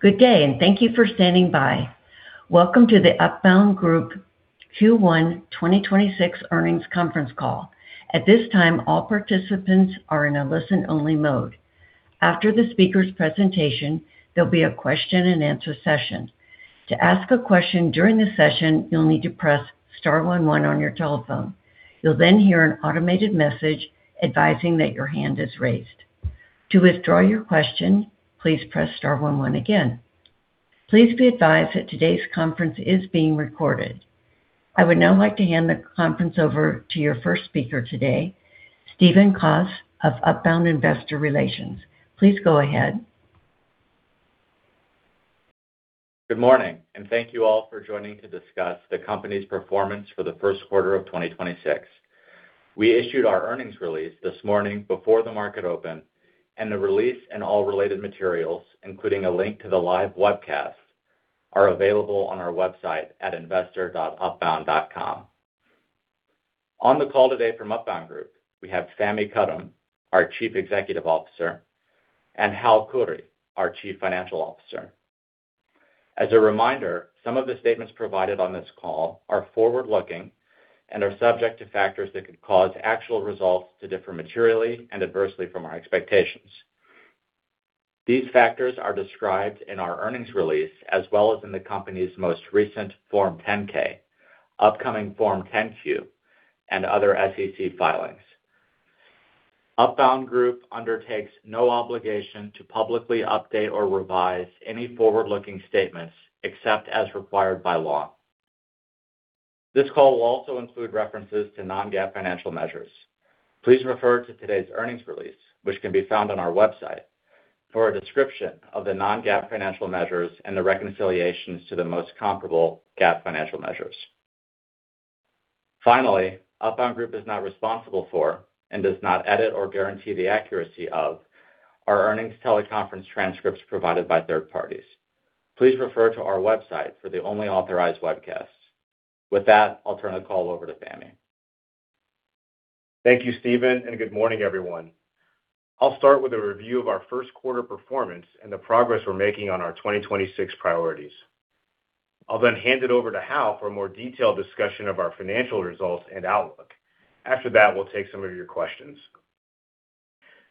Good day, and thank you for standing by. Welcome to the Upbound Group Q1 2026 earnings conference call. I would now like to hand the conference over to your first speaker today, Jeff Chesnut of Upbound Investor Relations. Please go ahead. Good morning, thank you all for joining to discuss the company's performance for the first quarter of 2026. We issued our earnings release this morning before the market open. The release and all related materials, including a link to the live webcast, are available on our website at investor.upbound.com. On the call today from Upbound Group, we have Fahmi Karam, our Chief Executive Officer, and Hal Khouri, our Chief Financial Officer. As a reminder, some of the statements provided on this call are forward-looking and are subject to factors that could cause actual results to differ materially and adversely from our expectations. These factors are described in our earnings release as well as in the company's most recent Form 10-K, upcoming Form 10-Q, and other SEC filings. Upbound Group undertakes no obligation to publicly update or revise any forward-looking statements except as required by law. This call will also include references to non-GAAP financial measures. Please refer to today's earnings release, which can be found on our website, for a description of the non-GAAP financial measures and the reconciliations to the most comparable GAAP financial measures. Finally, Upbound Group is not responsible for and does not edit or guarantee the accuracy of our earnings teleconference transcripts provided by third parties. Please refer to our website for the only authorized webcasts. With that, I'll turn the call over to Fahmi. Thank you, Jeff, and good morning, everyone. I'll start with a review of our first quarter performance and the progress we're making on our 2026 priorities. I'll then hand it over to Hal for a more detailed discussion of our financial results and outlook. After that, we'll take some of your questions.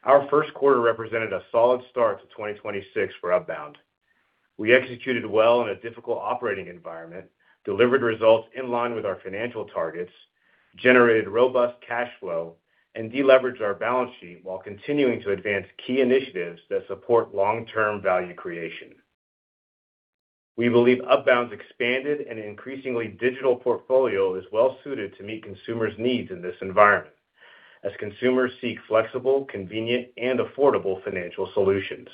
Our first quarter represented a solid start to 2026 for Upbound. We executed well in a difficult operating environment, delivered results in line with our financial targets, generated robust cash flow, and de-leveraged our balance sheet while continuing to advance key initiatives that support long-term value creation. We believe Upbound's expanded and increasingly digital portfolio is well-suited to meet consumers' needs in this environment as consumers seek flexible, convenient, and affordable financial solutions.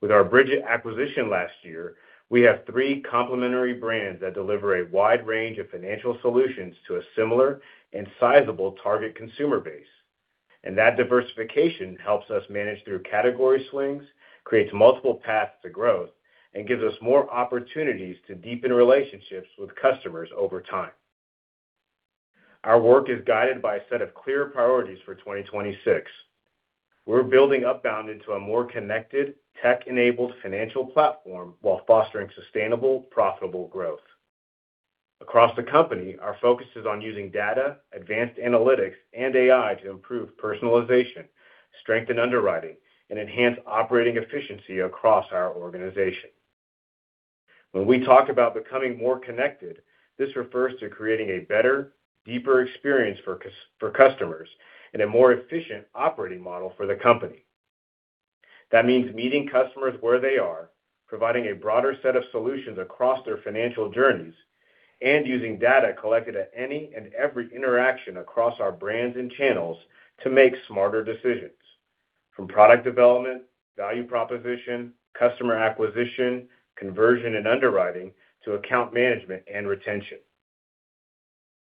With our Brigit acquisition last year, we have three complementary brands that deliver a wide range of financial solutions to a similar and sizable target consumer base. That diversification helps us manage through category swings, creates multiple paths to growth, and gives us more opportunities to deepen relationships with customers over time. Our work is guided by a set of clear priorities for 2026. We're building Upbound into a more connected, tech-enabled financial platform while fostering sustainable, profitable growth. Across the company, our focus is on using data, advanced analytics, and AI to improve personalization, strengthen underwriting, and enhance operating efficiency across our organization. When we talk about becoming more connected, this refers to creating a better, deeper experience for customers and a more efficient operating model for the company. That means meeting customers where they are, providing a broader set of solutions across their financial journeys, and using data collected at any and every interaction across our brands and channels to make smarter decisions, from product development, value proposition, customer acquisition, conversion and underwriting, to account management and retention.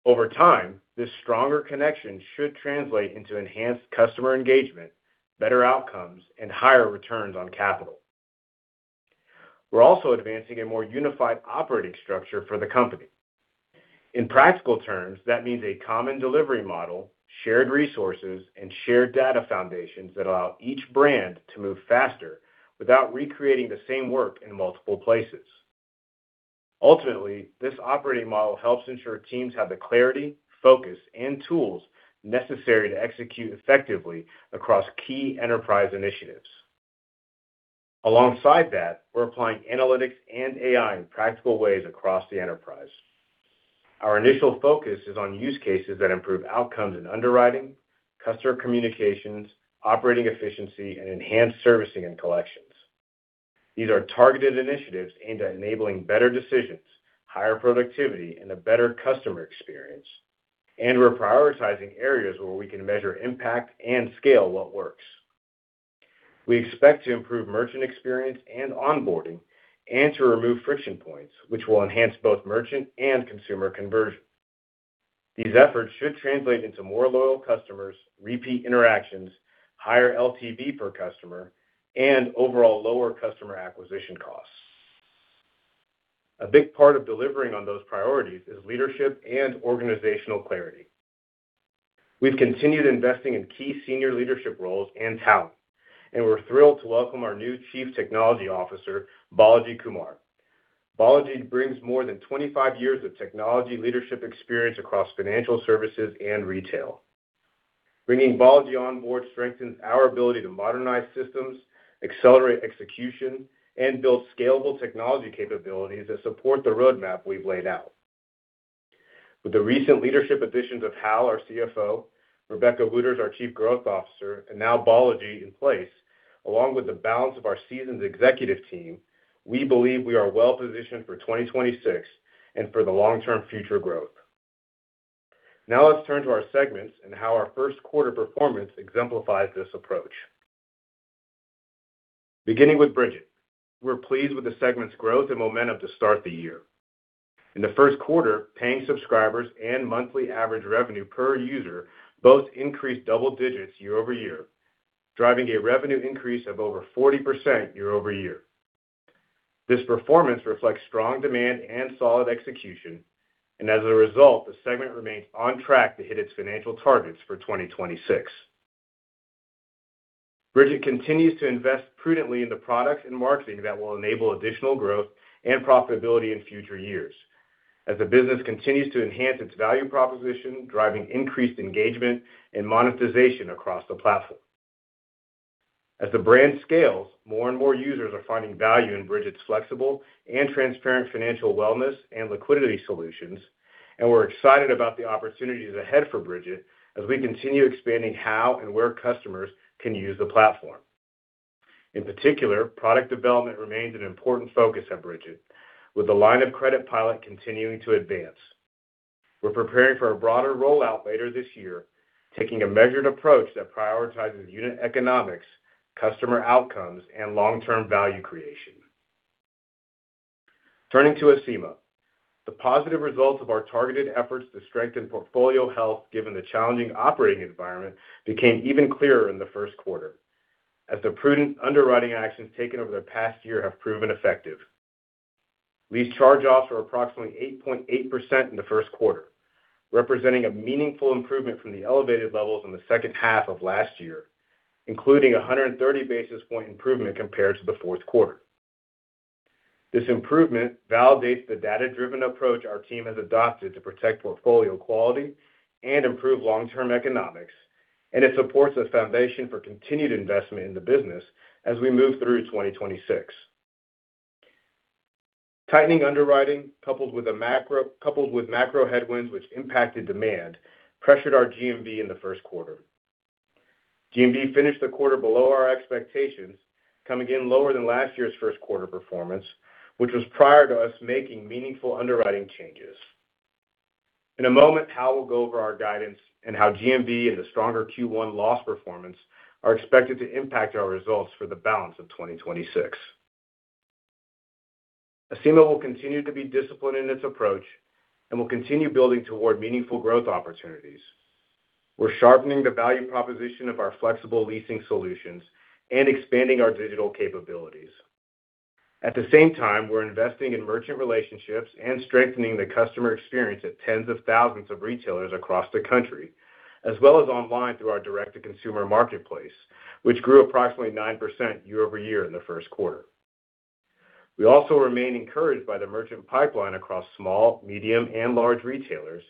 Over time, this stronger connection should translate into enhanced customer engagement, better outcomes, and higher returns on capital. We're also advancing a more unified operating structure for the company. In practical terms, that means a common delivery model, shared resources, and shared data foundations that allow each brand to move faster without recreating the same work in multiple places. Ultimately, this operating model helps ensure teams have the clarity, focus, and tools necessary to execute effectively across key enterprise initiatives. Alongside that, we're applying analytics and AI in practical ways across the enterprise. Our initial focus is on use cases that improve outcomes in underwriting, customer communications, operating efficiency, and enhanced servicing and collections. These are targeted initiatives aimed at enabling better decisions, higher productivity, and a better customer experience, we're prioritizing areas where we can measure impact and scale what works. We expect to improve merchant experience and onboarding and to remove friction points, which will enhance both merchant and consumer conversion. These efforts should translate into more loyal customers, repeat interactions, higher LTV per customer, and overall lower customer acquisition costs. A big part of delivering on those priorities is leadership and organizational clarity. We've continued investing in key senior leadership roles and talent, we're thrilled to welcome our new Chief Technology Officer, Balaji Kumar. Balaji brings more than 25 years of technology leadership experience across financial services and retail. Bringing Balaji on board strengthens our ability to modernize systems, accelerate execution, and build scalable technology capabilities that support the roadmap we've laid out. With the recent leadership additions of Hal, our CFO, Rebecca Wooters, our Chief Growth Officer, and now Balaji in place, along with the balance of our seasoned executive team, we believe we are well-positioned for 2026 and for the long-term future growth. Let's turn to our segments and how our first quarter performance exemplifies this approach. Beginning with Brigit. We're pleased with the segment's growth and momentum to start the year. In the first quarter, paying subscribers and monthly average revenue per user both increased double digits year-over-year, driving a revenue increase of over 40% year-over-year. This performance reflects strong demand and solid execution. As a result, the segment remains on track to hit its financial targets for 2026. Brigit continues to invest prudently in the products and marketing that will enable additional growth and profitability in future years as the business continues to enhance its value proposition, driving increased engagement and monetization across the platform. As the brand scales, more and more users are finding value in Brigit's flexible and transparent financial wellness and liquidity solutions. We're excited about the opportunities ahead for Brigit as we continue expanding how and where customers can use the platform. In particular, product development remains an important focus at Brigit, with the line of credit pilot continuing to advance. We're preparing for a broader rollout later this year, taking a measured approach that prioritizes unit economics, customer outcomes, and long-term value creation. Turning to Acima. The positive results of our targeted efforts to strengthen portfolio health given the challenging operating environment became even clearer in the first quarter as the prudent underwriting actions taken over the past year have proven effective. Lease charge-offs were approximately 8.8% in the first quarter, representing a meaningful improvement from the elevated levels in the second half of last year, including a 130 basis point improvement compared to the fourth quarter. This improvement validates the data-driven approach our team has adopted to protect portfolio quality and improve long-term economics, and it supports the foundation for continued investment in the business as we move through 2026. Tightening underwriting coupled with macro headwinds which impacted demand pressured our GMV in the first quarter. GMV finished the quarter below our expectations, coming in lower than last year's first quarter performance, which was prior to us making meaningful underwriting changes. In a moment, Hal will go over our guidance and how GMV and the stronger Q1 loss performance are expected to impact our results for the balance of 2026. Acima will continue to be disciplined in its approach and will continue building toward meaningful growth opportunities. We're sharpening the value proposition of our flexible leasing solutions and expanding our digital capabilities. At the same time, we're investing in merchant relationships and strengthening the customer experience at tens of thousands of retailers across the country, as well as online through our direct-to-consumer marketplace, which grew approximately 9% year-over-year in the first quarter. We also remain encouraged by the merchant pipeline across small, medium, and large retailers,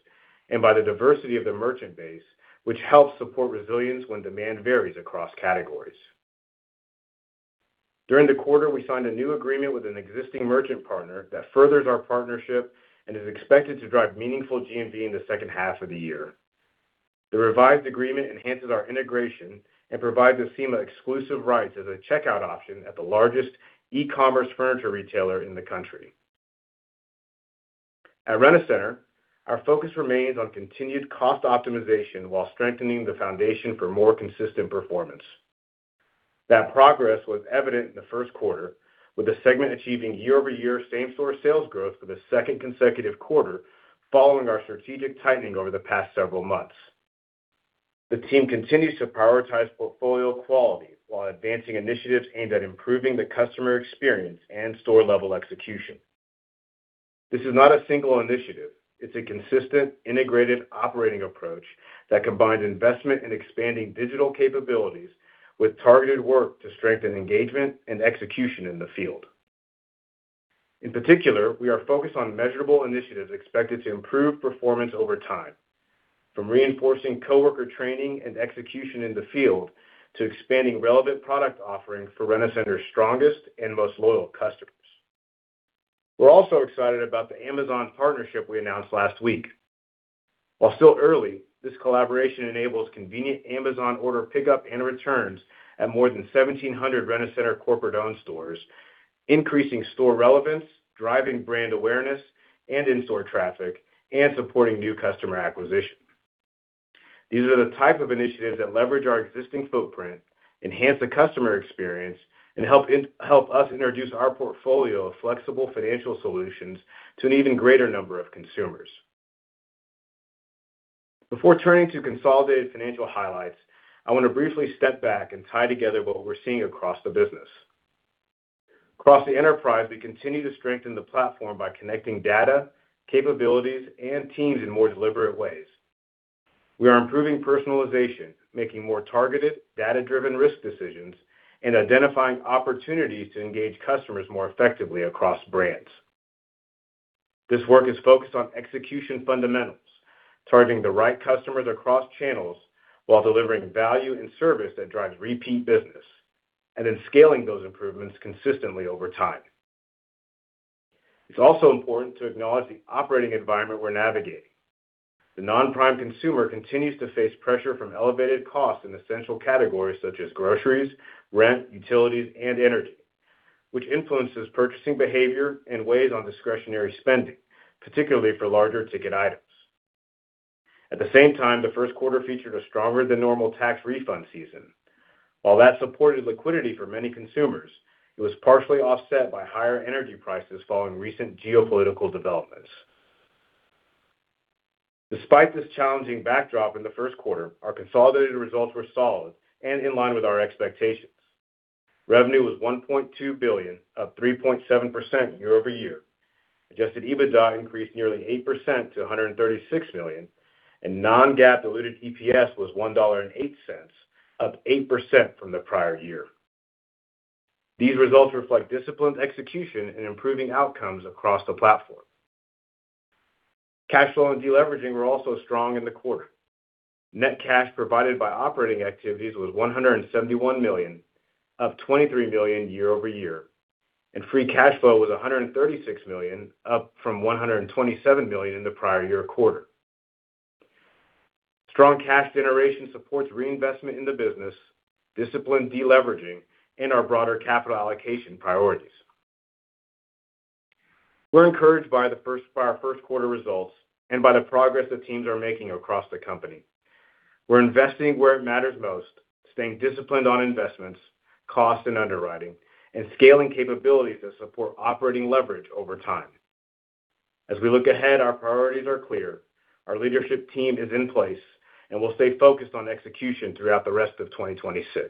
and by the diversity of the merchant base, which helps support resilience when demand varies across categories. During the quarter, we signed a new agreement with an existing merchant partner that furthers our partnership and is expected to drive meaningful GMV in the second half of the year. The revised agreement enhances our integration and provides Acima exclusive rights as a checkout option at the largest e-commerce furniture retailer in the country. At Rent-A-Center, our focus remains on continued cost optimization while strengthening the foundation for more consistent performance. That progress was evident in the first quarter, with the segment achieving year-over-year same-store sales growth for the second consecutive quarter following our strategic tightening over the past several months. The team continues to prioritize portfolio quality while advancing initiatives aimed at improving the customer experience and store-level execution. This is not a single initiative. It's a consistent, integrated operating approach that combines investment in expanding digital capabilities with targeted work to strengthen engagement and execution in the field. In particular, we are focused on measurable initiatives expected to improve performance over time, from reinforcing coworker training and execution in the field to expanding relevant product offerings for Rent-A-Center's strongest and most loyal customers. We're also excited about the Amazon partnership we announced last week. While still early, this collaboration enables convenient Amazon order pickup and returns at more than 1,700 Rent-A-Center corporate-owned stores, increasing store relevance, driving brand awareness and in-store traffic, and supporting new customer acquisition. These are the type of initiatives that leverage our existing footprint, enhance the customer experience, and help us introduce our portfolio of flexible financial solutions to an even greater number of consumers. Before turning to consolidated financial highlights, I want to briefly step back and tie together what we're seeing across the business. Across the enterprise, we continue to strengthen the platform by connecting data, capabilities, and teams in more deliberate ways. We are improving personalization, making more targeted data-driven risk decisions, and identifying opportunities to engage customers more effectively across brands. This work is focused on execution fundamentals, targeting the right customers across channels while delivering value and service that drives repeat business, then scaling those improvements consistently over time. It's also important to acknowledge the operating environment we're navigating. The non-prime consumer continues to face pressure from elevated costs in essential categories such as groceries, rent, utilities, and energy, which influences purchasing behavior and weighs on discretionary spending, particularly for larger ticket items. At the same time, the first quarter featured a stronger than normal tax refund season. While that supported liquidity for many consumers, it was partially offset by higher energy prices following recent geopolitical developments. Despite this challenging backdrop in the first quarter, our consolidated results were solid and in line with our expectations. Revenue was $1.2 billion, up 3.7% year-over-year. Adjusted EBITDA increased nearly 8% to $136 million, and non-GAAP diluted EPS was $1.08, up 8% from the prior year. These results reflect disciplined execution and improving outcomes across the platform. Cash flow and deleveraging were also strong in the quarter. Net cash provided by operating activities was $171 million, up $23 million year-over-year. Free cash flow was $136 million, up from $127 million in the prior year quarter. Strong cash generation supports reinvestment in the business, disciplined deleveraging, and our broader capital allocation priorities. We're encouraged by our first quarter results and by the progress the teams are making across the company. We're investing where it matters most, staying disciplined on investments, cost, and underwriting, and scaling capabilities that support operating leverage over time. As we look ahead, our priorities are clear. Our leadership team is in place, and we'll stay focused on execution throughout the rest of 2026.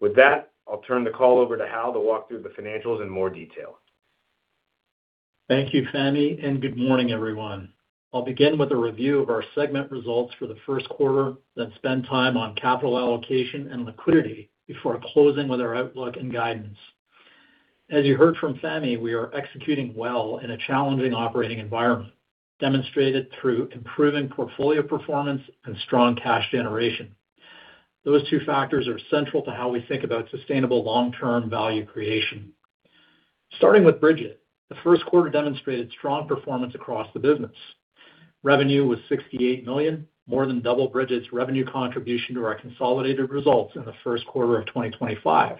With that, I'll turn the call over to Hal to walk through the financials in more detail. Thank you, Fahmi, good morning, everyone. I'll begin with a review of our segment results for the first quarter, then spend time on capital allocation and liquidity before closing with our outlook and guidance. As you heard from Fahmi, we are executing well in a challenging operating environment, demonstrated through improving portfolio performance and strong cash generation. Those two factors are central to how we think about sustainable long-term value creation. Starting with Brigit, the first quarter demonstrated strong performance across the business. Revenue was $68 million, more than double Brigit's revenue contribution to our consolidated results in the first quarter of 2025.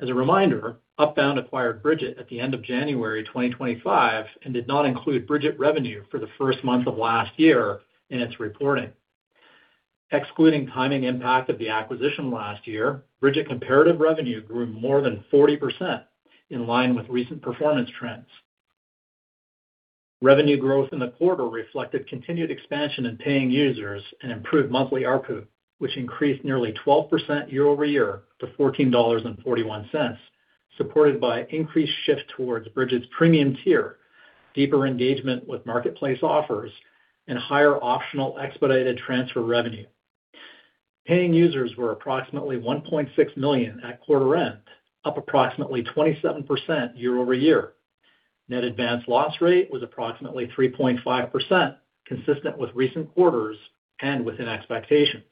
As a reminder, Upbound acquired Brigit at the end of January 2025 and did not include Brigit revenue for the first month of last year in its reporting. Excluding timing impact of the acquisition last year, Brigit comparative revenue grew more than 40% in line with recent performance trends. Revenue growth in the quarter reflected continued expansion in paying users and improved monthly ARPU, which increased nearly 12% year-over-year to $14.41, supported by increased shift towards Brigit's premium tier, deeper engagement with marketplace offers, and higher optional expedited transfer revenue. Paying users were approximately 1.6 million at quarter end, up approximately 27% year-over-year. Net advance loss rate was approximately 3.5%, consistent with recent quarters and within expectations.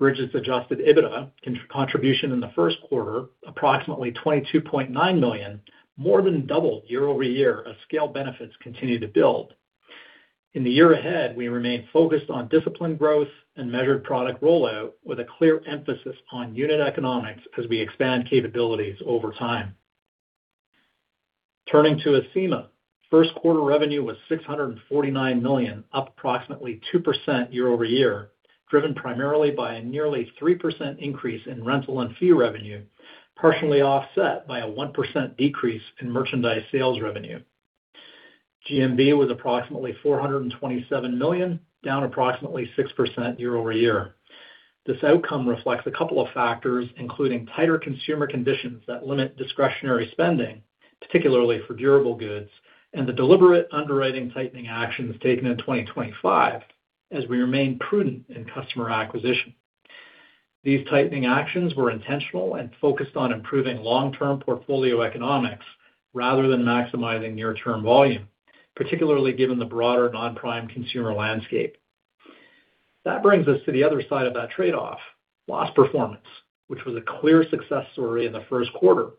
Brigit's Adjusted EBITDA contribution in the first quarter, approximately $22.9 million, more than doubled year-over-year as scale benefits continue to build. In the year ahead, we remain focused on disciplined growth and measured product rollout with a clear emphasis on unit economics as we expand capabilities over time. Turning to Acima. First quarter revenue was $649 million, up approximately 2% year-over-year, driven primarily by a nearly 3% increase in rental and fee revenue, partially offset by a 1% decrease in merchandise sales revenue. GMV was approximately $427 million, down approximately 6% year-over-year. This outcome reflects a couple of factors, including tighter consumer conditions that limit discretionary spending, particularly for durable goods, and the deliberate underwriting tightening actions taken in 2025 as we remain prudent in customer acquisition. These tightening actions were intentional and focused on improving long-term portfolio economics rather than maximizing near-term volume, particularly given the broader non-prime consumer landscape. That brings us to the other side of that trade-off, loss performance, which was a clear success story in the first quarter.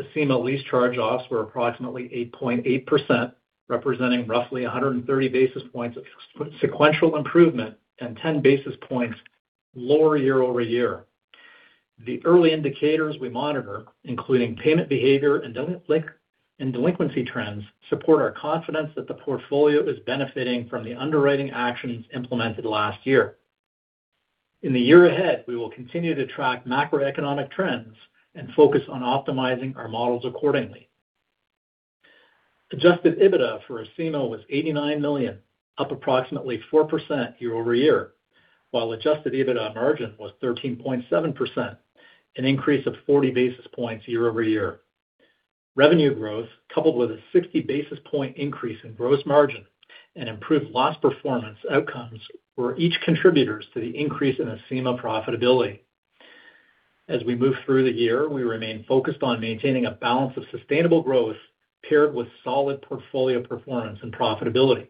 Acima lease charge-offs were approximately 8.8%, representing roughly 130 basis points of sequential improvement and 10 basis points lower year-over-year. The early indicators we monitor, including payment behavior and delinquency trends, support our confidence that the portfolio is benefiting from the underwriting actions implemented last year. In the year ahead, we will continue to track macroeconomic trends and focus on optimizing our models accordingly. Adjusted EBITDA for Acima was $89 million, up approximately 4% year-over-year, while Adjusted EBITDA margin was 13.7%, an increase of 40 basis points year-over-year. Revenue growth, coupled with a 60 basis point increase in gross margin and improved loss performance outcomes, were each contributors to the increase in Acima profitability. As we move through the year, we remain focused on maintaining a balance of sustainable growth paired with solid portfolio performance and profitability.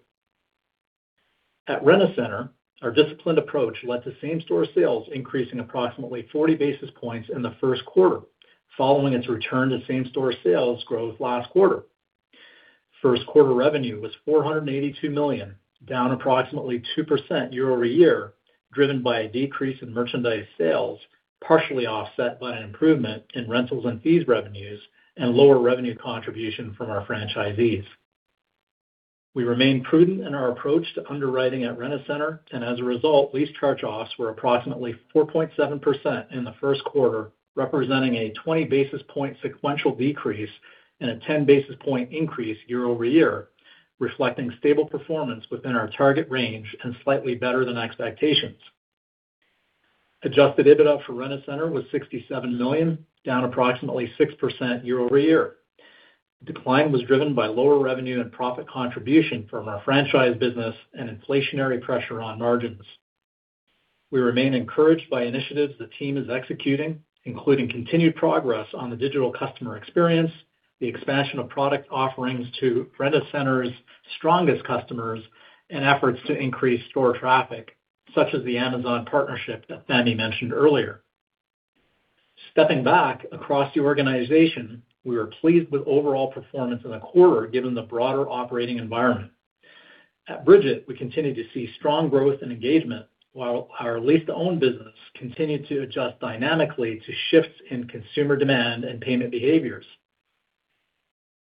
At Rent-A-Center, our disciplined approach led to same-store sales increasing approximately 40 basis points in the first quarter, following its return to same-store sales growth last quarter. First quarter revenue was $482 million, down approximately 2% year-over-year, driven by a decrease in merchandise sales, partially offset by an improvement in rentals and fees revenues and lower revenue contribution from our franchisees. We remain prudent in our approach to underwriting at Rent-A-Center, and as a result, lease charge-offs were approximately 4.7% in the first quarter, representing a 20 basis point sequential decrease and a 10 basis point increase year-over-year, reflecting stable performance within our target range and slightly better than expectations. Adjusted EBITDA for Rent-A-Center was $67 million, down approximately 6% year-over-year. The decline was driven by lower revenue and profit contribution from our franchise business and inflationary pressure on margins. We remain encouraged by initiatives the team is executing, including continued progress on the digital customer experience, the expansion of product offerings to Rent-A-Center's strongest customers, and efforts to increase store traffic, such as the Amazon partnership that Fahmi mentioned earlier. Stepping back across the organization, we were pleased with overall performance in the quarter given the broader operating environment. At Brigit, we continue to see strong growth and engagement while our lease-to-own business continued to adjust dynamically to shifts in consumer demand and payment behaviors.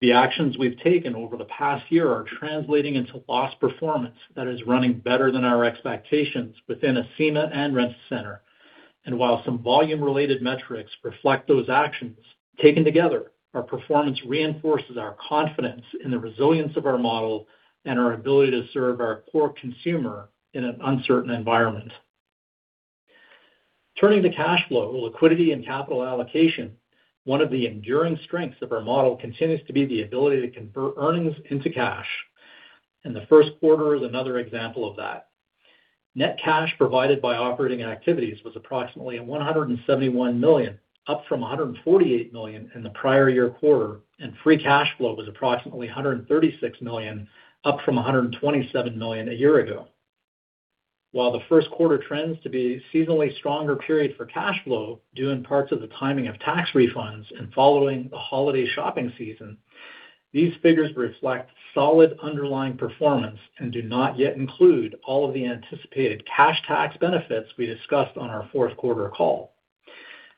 The actions we've taken over the past year are translating into loss performance that is running better than our expectations within Acima and Rent-A-Center. While some volume-related metrics reflect those actions, taken together, our performance reinforces our confidence in the resilience of our model and our ability to serve our core consumer in an uncertain environment. Turning to cash flow, liquidity, and capital allocation, one of the enduring strengths of our model continues to be the ability to convert earnings into cash. The first quarter is another example of that. Net cash provided by operating activities was approximately $171 million, up from $148 million in the prior year quarter, and free cash flow was approximately $136 million, up from $127 million a year ago. While the first quarter trends to be a seasonally stronger period for cash flow due in parts of the timing of tax refunds and following the holiday shopping season, these figures reflect solid underlying performance and do not yet include all of the anticipated cash tax benefits we discussed on our fourth quarter call.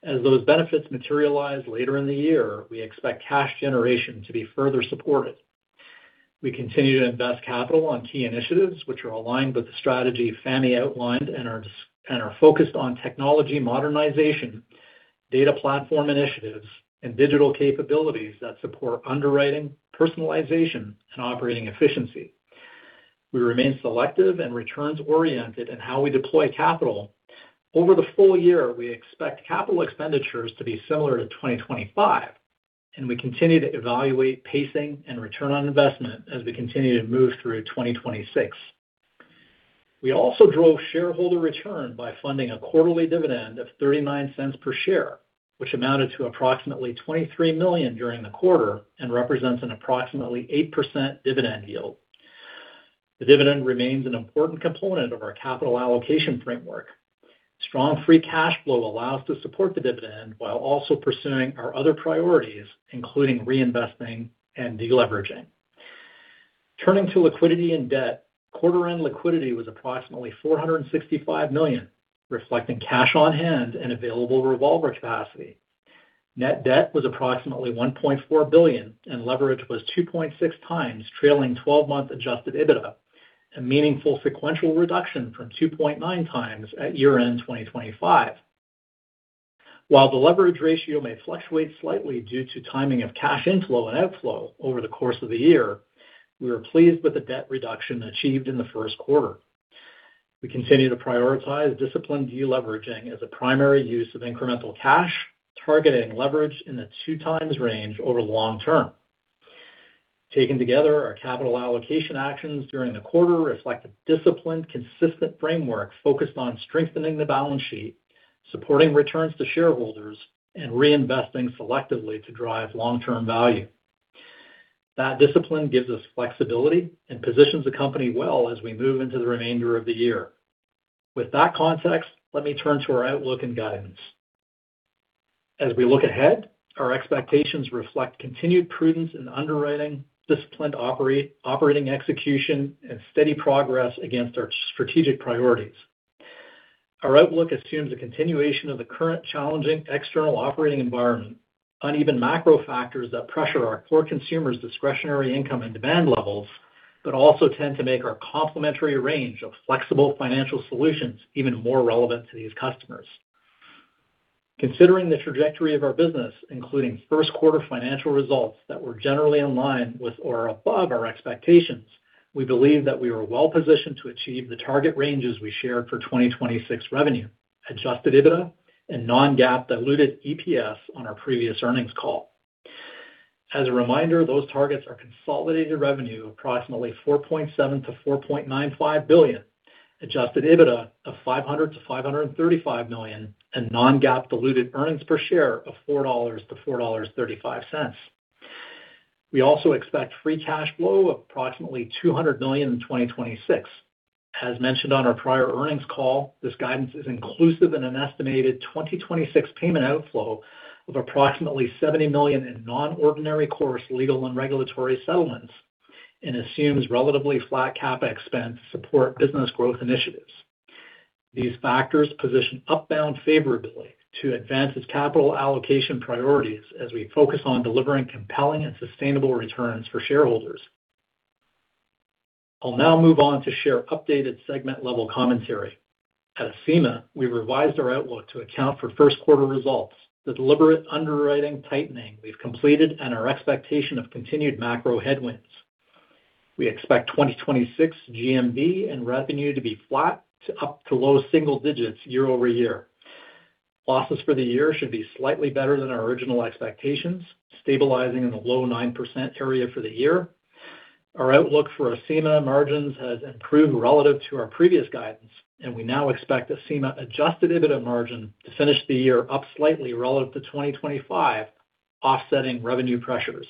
As those benefits materialize later in the year, we expect cash generation to be further supported. We continue to invest capital on key initiatives which are aligned with the strategy Fahmi outlined and are focused on technology modernization, data platform initiatives, and digital capabilities that support underwriting, personalization, and operating efficiency. We remain selective and returns-oriented in how we deploy capital. Over the full year, we expect capital expenditures to be similar to 2025, and we continue to evaluate pacing and return on investment as we continue to move through 2026. We also drove shareholder return by funding a quarterly dividend of $0.39 per share, which amounted to approximately $23 million during the quarter and represents an approximately 8% dividend yield. The dividend remains an important component of our capital allocation framework. Strong free cash flow allows to support the dividend while also pursuing our other priorities, including reinvesting and deleveraging. Turning to liquidity and debt, quarter-end liquidity was approximately $465 million, reflecting cash on hand and available revolver capacity. Net debt was approximately $1.4 billion, and leverage was 2.6x trailing 12-month Adjusted EBITDA, a meaningful sequential reduction from 2.9x at year-end 2025. While the leverage ratio may fluctuate slightly due to timing of cash inflow and outflow over the course of the year, we are pleased with the debt reduction achieved in the first quarter. We continue to prioritize disciplined deleveraging as a primary use of incremental cash, targeting leverage in the 2x range over long term. Taken together, our capital allocation actions during the quarter reflect a disciplined, consistent framework focused on strengthening the balance sheet, supporting returns to shareholders, and reinvesting selectively to drive long-term value. That discipline gives us flexibility and positions the company well as we move into the remainder of the year. With that context, let me turn to our outlook and guidance. As we look ahead, our expectations reflect continued prudence in underwriting, disciplined operating execution, and steady progress against our strategic priorities. Our outlook assumes a continuation of the current challenging external operating environment. Uneven macro factors that pressure our core consumers discretionary income and demand levels, but also tend to make our complementary range of flexible financial solutions even more relevant to these customers. Considering the trajectory of our business, including first quarter financial results that were generally in line with or above our expectations, we believe that we are well-positioned to achieve the target ranges we shared for 2026 revenue, Adjusted EBITDA, and non-GAAP diluted EPS on our previous earnings call. As a reminder, those targets are consolidated revenue of approximately $4.7 billion-$4.95 billion, Adjusted EBITDA of $500 million-$535 million, and non-GAAP diluted earnings per share of $4.00-$4.35. We also expect free cash flow of approximately $200 million in 2026. As mentioned on our prior earnings call, this guidance is inclusive in an estimated 2026 payment outflow of approximately $70 million in non-ordinary course legal and regulatory settlements and assumes relatively flat CapEx spends support business growth initiatives. These factors position Upbound favorably to advance its capital allocation priorities as we focus on delivering compelling and sustainable returns for shareholders. I'll now move on to share updated segment-level commentary. At Acima, we revised our outlook to account for first quarter results, the deliberate underwriting tightening we've completed, and our expectation of continued macro headwinds. We expect 2026 GMV and revenue to be flat to up to low single digits year-over-year. Losses for the year should be slightly better than our original expectations, stabilizing in the low 9% area for the year. Our outlook for Acima margins has improved relative to our previous guidance, and we now expect Acima Adjusted EBITDA margin to finish the year up slightly relative to 2025, offsetting revenue pressures.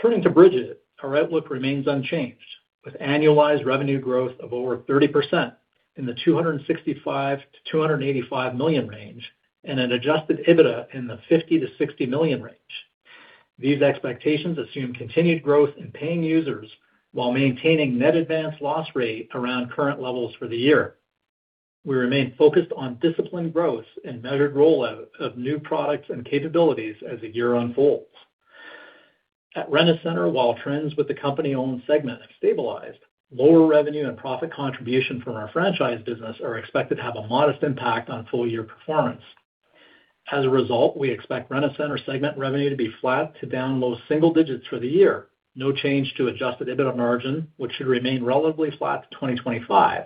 Turning to Brigit, our outlook remains unchanged, with annualized revenue growth of over 30% in the $265 million-$285 million range and an Adjusted EBITDA in the $50 million-$60 million range. These expectations assume continued growth in paying users while maintaining net advanced loss rate around current levels for the year. We remain focused on disciplined growth and measured rollout of new products and capabilities as the year unfolds. At Rent-A-Center, while trends with the company-owned segment have stabilized, lower revenue and profit contribution from our franchise business are expected to have a modest impact on full-year performance. We expect Rent-A-Center segment revenue to be flat to down low single digits for the year. No change to Adjusted EBITDA margin, which should remain relatively flat to 2025.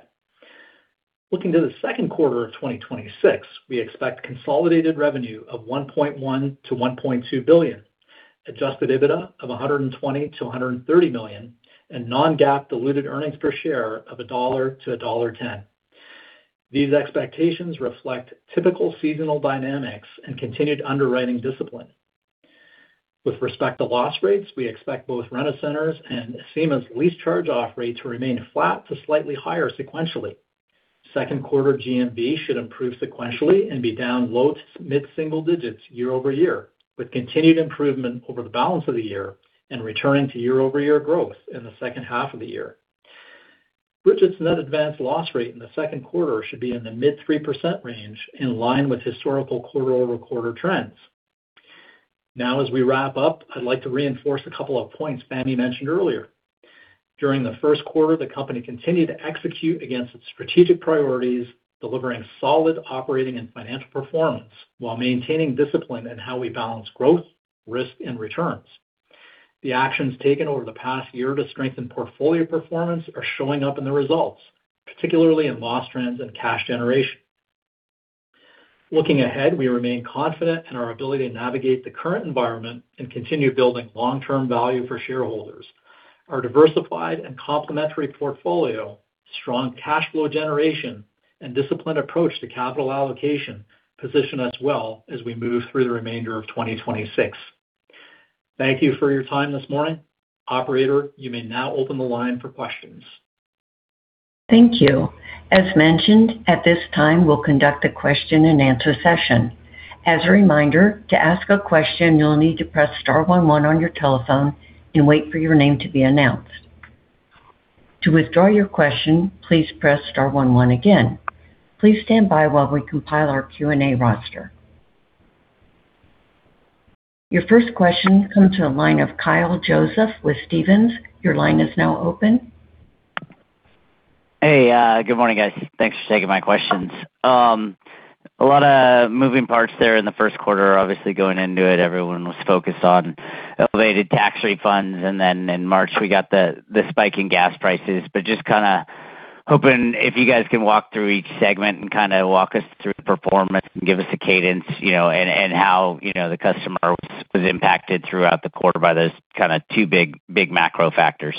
Looking to the second quarter of 2026, we expect consolidated revenue of $1.1 billion-$1.2 billion, Adjusted EBITDA of $120 million-$130 million, and non-GAAP diluted earnings per share of $1.00-$1.10. These expectations reflect typical seasonal dynamics and continued underwriting discipline. With respect to loss rates, we expect both Rent-A-Center's and Acima's lease charge-off rate to remain flat to slightly higher sequentially. Second quarter GMV should improve sequentially and be down low to mid-single digits year-over-year, with continued improvement over the balance of the year and returning to year-over-year growth in the second half of the year. Brigit's net advance loss rate in the second quarter should be in the mid 3% range, in line with historical quarter-over-quarter trends. As we wrap up, I'd like to reinforce a couple of points Fahmi mentioned earlier. During the first quarter, the company continued to execute against its strategic priorities, delivering solid operating and financial performance while maintaining discipline in how we balance growth, risk, and returns. The actions taken over the past year to strengthen portfolio performance are showing up in the results, particularly in loss trends and cash generation. Looking ahead, we remain confident in our ability to navigate the current environment and continue building long-term value for shareholders. Our diversified and complementary portfolio, strong cash flow generation, and disciplined approach to capital allocation position us well as we move through the remainder of 2026. Thank you for your time this morning. Operator, you may now open the line for questions. Thank you. As mentioned, at this time, we'll conduct a question-and-answer session. As a reminder, to ask a question, you'll need to press star one one on your telephone and wait for your name to be announced. To withdraw your question, please press star one one again. Please stand by while we compile our Q&A roster. Your first question comes to the line of Kyle Joseph with Stephens. Your line is now open. Hey, good morning, guys. Thanks for taking my questions. A lot of moving parts there in the first quarter. Obviously, going into it, everyone was focused on elevated tax refunds, and then in March, we got the spike in gas prices. Just kinda hoping if you guys can walk through each segment and kind of walk us through the performance and give us a cadence, you know, and how, you know, the customer was impacted throughout the quarter by those kind of two big macro factors.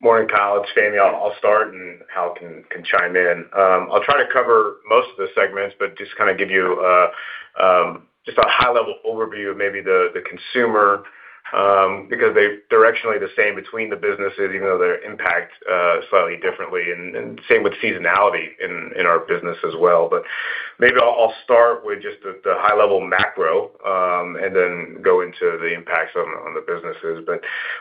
Morning, Kyle. It's Fahmi. I'll start, and Hal can chime in. I'll try to cover most of the segments, but just kind of give you just a high-level overview of maybe the consumer because they're directionally the same between the businesses, even though they're impacted slightly differently and same with seasonality in our business as well. Maybe I'll start with just the high-level macro and then go into the impacts on the businesses.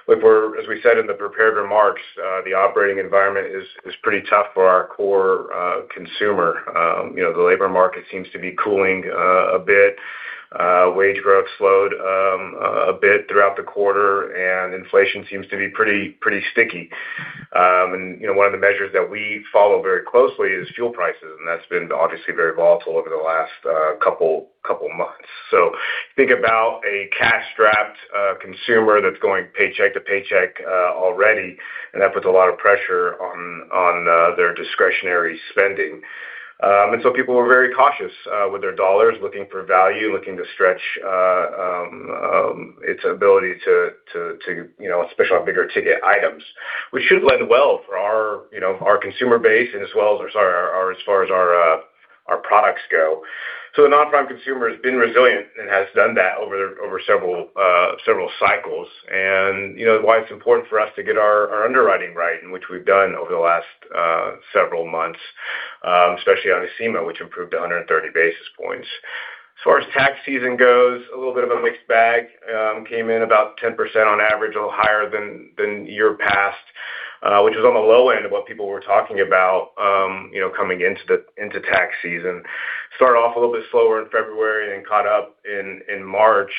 Look, as we said in the prepared remarks, the operating environment is pretty tough for our core consumer. You know, the labor market seems to be cooling a bit. Wage growth slowed a bit throughout the quarter, and inflation seems to be pretty sticky. And, you know, one of the measures that we follow very closely is fuel prices, and that's been obviously very volatile over the last couple months. Think about a cash-strapped consumer that's going paycheck to paycheck already, and that puts a lot of pressure on their discretionary spending. People were very cautious with their dollars, looking for value, looking to stretch its ability to, you know, especially on bigger-ticket items. Which should lend well for our, you know, our consumer base and as well as our products go. The non-prime consumer has been resilient and has done that over several cycles. You know why it's important for us to get our underwriting right, which we've done over the last several months, especially on Acima, which improved 130 basis points. As far as tax season goes, a little bit of a mixed bag. Came in about 10% on average, a little higher than year past, which was on the low end of what people were talking about, you know, coming into tax season. Started off a little bit slower in February and then caught up in March.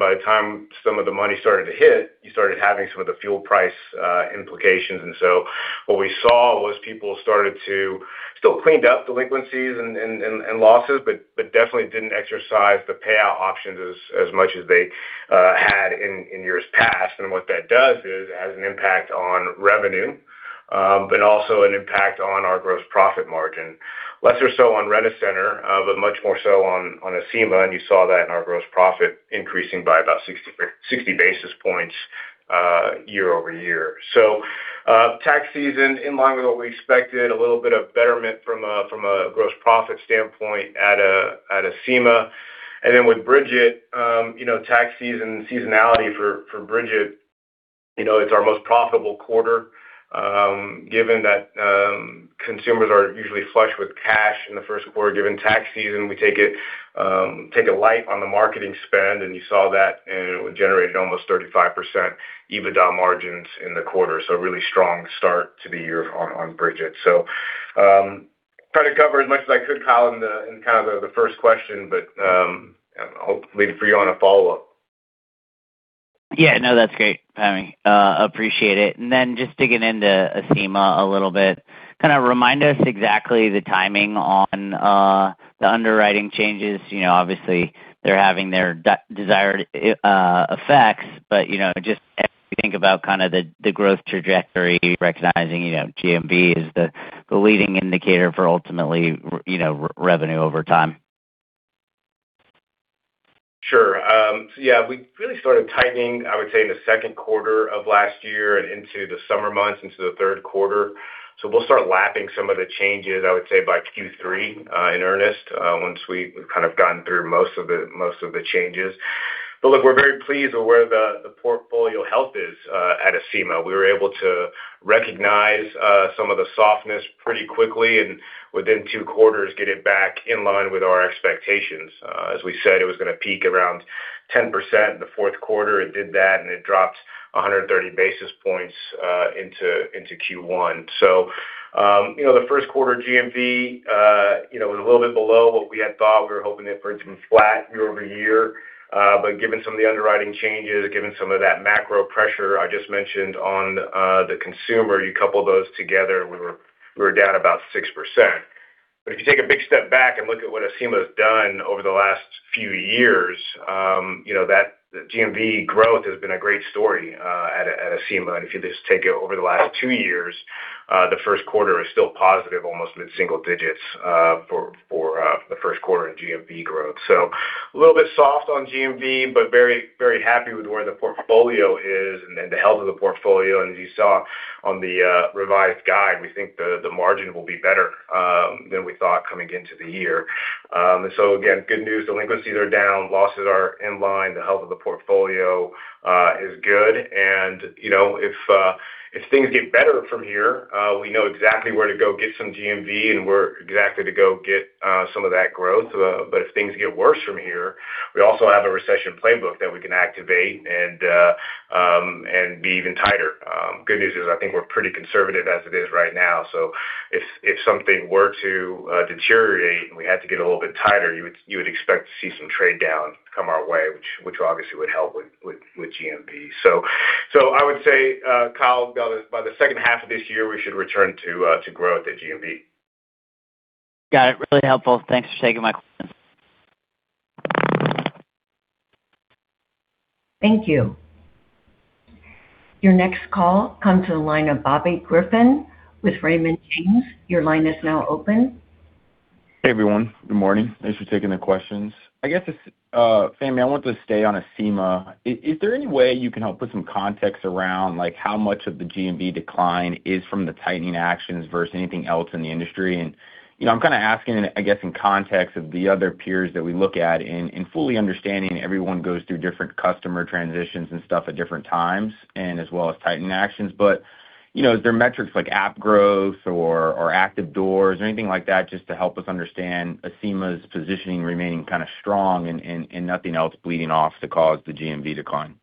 By the time some of the money started to hit, you started having some of the fuel price implications. What we saw was people started to still cleaned up delinquencies and losses, but definitely didn't exercise the payout options as much as they had in years past. What that does is it has an impact on revenue, but also an impact on our gross profit margin. Less or so on Rent-A-Center, but much more so on Acima. You saw that in our gross profit increasing by about 60 basis points year-over-year. Tax season, in line with what we expected, a little bit of betterment from a gross profit standpoint at Acima. With Brigit, you know, tax season seasonality for Brigit, you know, it's our most profitable quarter. Given that consumers are usually flush with cash in the first quarter, given tax season, we take it, take a light on the marketing spend, and you saw that, and it generated almost 35% EBITDA margins in the quarter. A really strong start to the year on Brigit. Tried to cover as much as I could, Kyle, in kind of the first question, but hopefully for you on a follow-up. Yeah, no, that's great, Fahmi. Appreciate it. Just digging into Acima a little bit. Kind of remind us exactly the timing on the underwriting changes. You know, obviously they're having their desired effects, you know, just as we think about kind of the growth trajectory, recognizing, you know, GMV is the leading indicator for ultimately revenue over time. Sure. We really started tightening, I would say, in the second quarter of last year and into the summer months into the third quarter. We'll start lapping some of the changes, I would say, by Q3 in earnest once we've kind of gotten through most of the changes. Look, we're very pleased with where the portfolio health is at Acima. We were able to recognize some of the softness pretty quickly, and within two quarters, get it back in line with our expectations. As we said, it was gonna peak around 10% in the fourth quarter. It did that, and it dropped 130 basis points into Q1. You know, the first quarter GMV, you know, was a little bit below what we had thought. We were hoping it for it to be flat year-over-year. Given some of the underwriting changes, given some of that macro pressure I just mentioned on the consumer, you couple those together, we were down about 6%. If you take a big step back and look at what Acima's done over the last few years, you know, that GMV growth has been a great story at Acima. If you just take it over the last two years, the first quarter is still positive, almost mid-single digits, for the first quarter in GMV growth. A little bit soft on GMV, but very, very happy with where the portfolio is and the health of the portfolio. As you saw on the revised guide, we think the margin will be better than we thought coming into the year. Again, good news, delinquencies are down, losses are in line, the health of the portfolio is good. You know, if things get better from here, we know exactly where to go get some GMV, and where exactly to go get some of that growth. If things get worse from here, we also have a recession playbook that we can activate and be even tighter. Good news is I think we're pretty conservative as it is right now. If something were to deteriorate and we had to get a little bit tighter, you would expect to see some trade-down come our way, which obviously would help with GMV. I would say, Kyle, by the second half of this year, we should return to growth at GMV. Got it. Really helpful. Thanks for taking my questions. Thank you. Your next call comes to the line of Bobby Griffin with Raymond James. Your line is now open. Hey, everyone. Good morning. Thanks for taking the questions. I guess, Fahmi, I want to stay on Acima. Is there any way you can help put some context around, like, how much of the GMV decline is from the tightening actions versus anything else in the industry? You know, I'm kind of asking, I guess, in context of the other peers that we look at and fully understanding everyone goes through different customer transitions and stuff at different times and as well as tightening actions. You know, is there metrics like app growth or active doors or anything like that just to help us understand Acima's positioning remaining kind of strong and nothing else bleeding off to cause the GMV decline?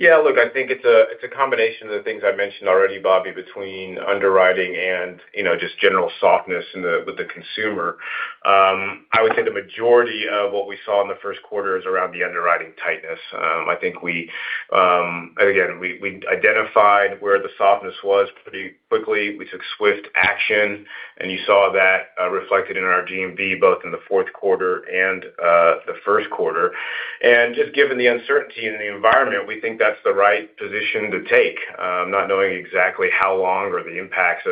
Yeah, look, I think it's a, it's a combination of the things I mentioned already, Bobby, between underwriting and, you know, just general softness with the consumer. I would say the majority of what we saw in the first quarter is around the underwriting tightness. I think we, again, we identified where the softness was pretty quickly. We took swift action, and you saw that reflected in our GMV, both in the fourth quarter and the first quarter. Just given the uncertainty in the environment, we think that's the right position to take, not knowing exactly how long or the impacts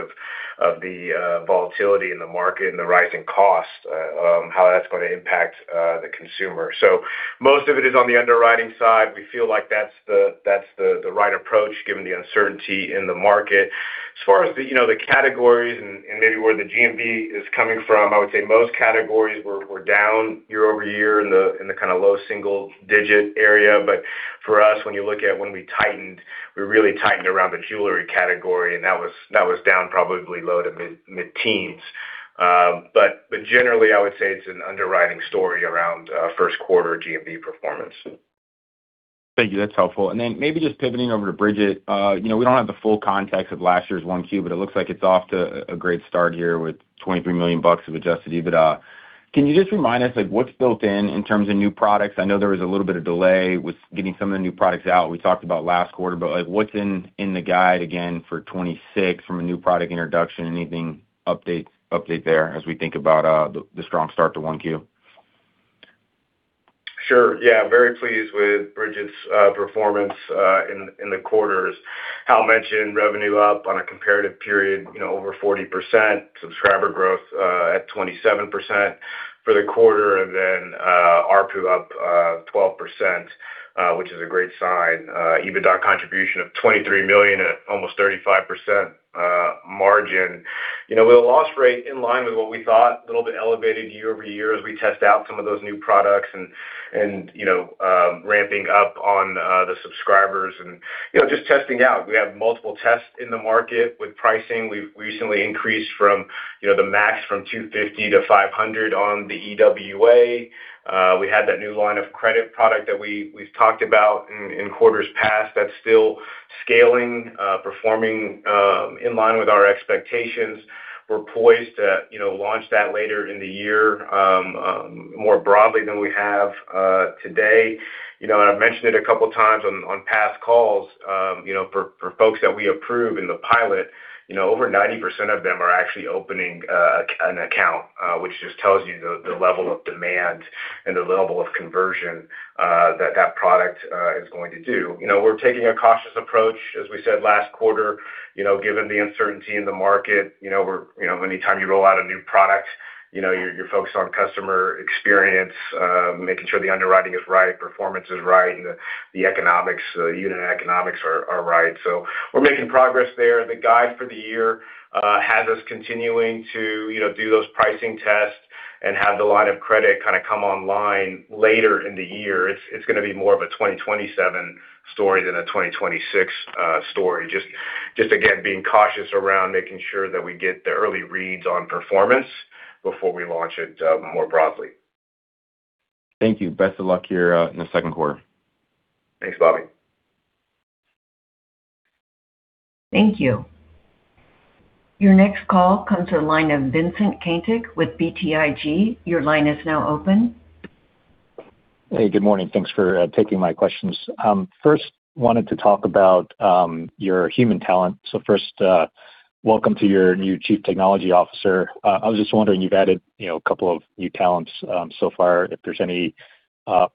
of the volatility in the market and the rising cost, how that's going to impact the consumer. So most of it is on the underwriting side. We feel like that's the right approach given the uncertainty in the market. As far as the, you know, the categories and maybe where the GMV is coming from, I would say most categories were down year-over-year in the kind of low single-digit area. For us, when you look at when we tightened, we really tightened around the jewelry category, and that was down probably low to mid-teens. Generally, I would say it's an underwriting story around first quarter GMV performance. Thank you. That's helpful. Maybe just pivoting over to Brigit. You know, we don't have the full context of last year's 1Q, but it looks like it's off to a great start here with $23 million of Adjusted EBITDA. Can you just remind us, like, what's built in in terms of new products? I know there was a little bit of delay with getting some of the new products out we talked about last quarter. Like, what's in the guide again for 2026 from a new product introduction? Anything update there as we think about the strong start to 1Q? Sure. Yeah. Very pleased with Brigit's performance in the quarters. Hal mentioned revenue up on a comparative period, you know, over 40%. Subscriber growth at 27% for the quarter. Then ARPU up 12%, which is a great sign. EBITDA contribution of $23 million at almost 35% margin. You know, with a loss rate in line with what we thought, a little bit elevated year-over-year as we test out some of those new products and, you know, ramping up on the subscribers and, you know, just testing out. We have multiple tests in the market with pricing. We've recently increased from, you know, the max from 250 to 500 on the EWA. We had that new line of credit product that we've talked about in quarters past. That's still scaling, performing in line with our expectations. We're poised to, you know, launch that later in the year, more broadly than we have today. You know, I've mentioned it a couple times on past calls, you know, for folks that we approve in the pilot, you know, over 90% of them are actually opening an account, which just tells you the level of demand and the level of conversion that that product is going to do. You know, we're taking a cautious approach, as we said last quarter, you know, given the uncertainty in the market. You know, anytime you roll out a new product, you know, you're focused on customer experience, making sure the underwriting is right, performance is right, and the economics, unit economics are right. We're making progress there. The guide for the year has us continuing to, you know, do those pricing tests and have the line of credit kinda come online later in the year. It's gonna be more of a 2027 story than a 2026 story. Just again, being cautious around making sure that we get the early reads on performance before we launch it more broadly. Thank you. Best of luck here in the second quarter. Thanks, Bobby. Thank you. Your next call comes to the line of Vincent Caintic with BTIG. Your line is now open. Hey, good morning. Thanks for taking my questions. First, wanted to talk about your human talent. First, welcome to your new Chief Technology Officer. I was just wondering, you've added, you know, a couple of new talents so far, if there's any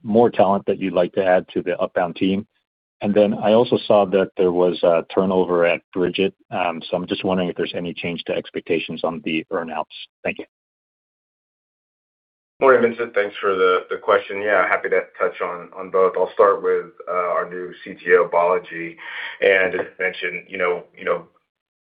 more talent that you'd like to add to the Upbound Group team. I also saw that there was a turnover at Brigit, so I'm just wondering if there's any change to expectations on the earn-outs. Thank you. Morning, Vincent. Thanks for the question. Yeah, happy to touch on both. I'll start with our new CTO, Balaji. As mentioned, you know,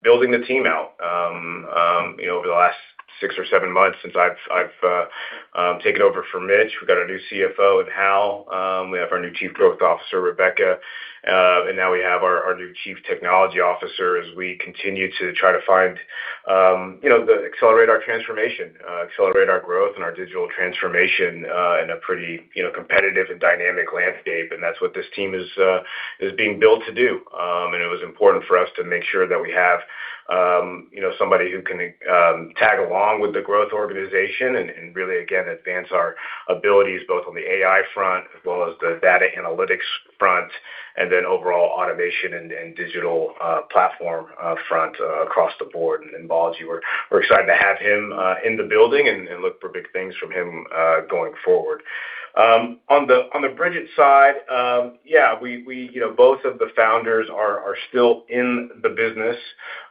building the team out over the last six or seven months since I've taken over for Mitch. We got our new CFO in Hal. We have our new Chief Growth Officer, Rebecca. Now we have our new Chief Technology Officer as we continue to try to find, accelerate our transformation, accelerate our growth and our digital transformation in a pretty, you know, competitive and dynamic landscape. That's what this team is being built to do. It was important for us to make sure that we have, you know, somebody who can tag along with the growth organization and really again, advance our abilities both on the AI front as well as the data analytics front, and then overall automation and digital platform front across the board. Balaji, we're excited to have him in the building and look for big things from him going forward. On the Brigit side, yeah, we, you know, both of the founders are still in the business,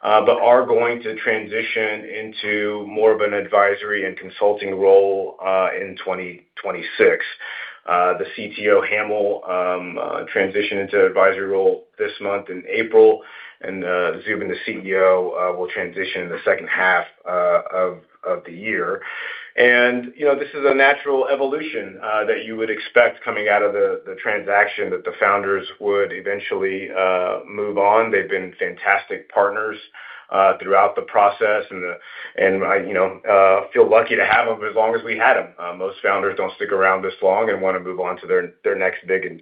but are going to transition into more of an advisory and consulting role in 2026. The CTO, Hamel, transitioned into advisory role this month in April, Zuben, the CEO, will transition in the second half of the year. You know, this is a natural evolution that you would expect coming out of the transaction that the founders would eventually move on. They've been fantastic partners throughout the process. I, you know, feel lucky to have them as long as we had them. Most founders don't stick around this long and wanna move on to their next big and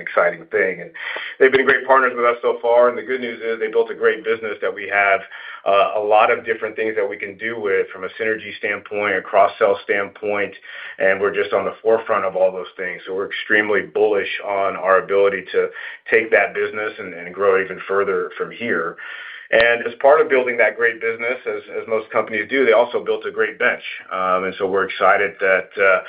exciting thing. They've been great partners with us so far. The good news is they built a great business that we have a lot of different things that we can do with from a synergy standpoint, a cross-sell standpoint, and we're just on the forefront of all those things. We're extremely bullish on our ability to take that business and grow even further from here. As part of building that great business as most companies do, they also built a great bench. We're excited that,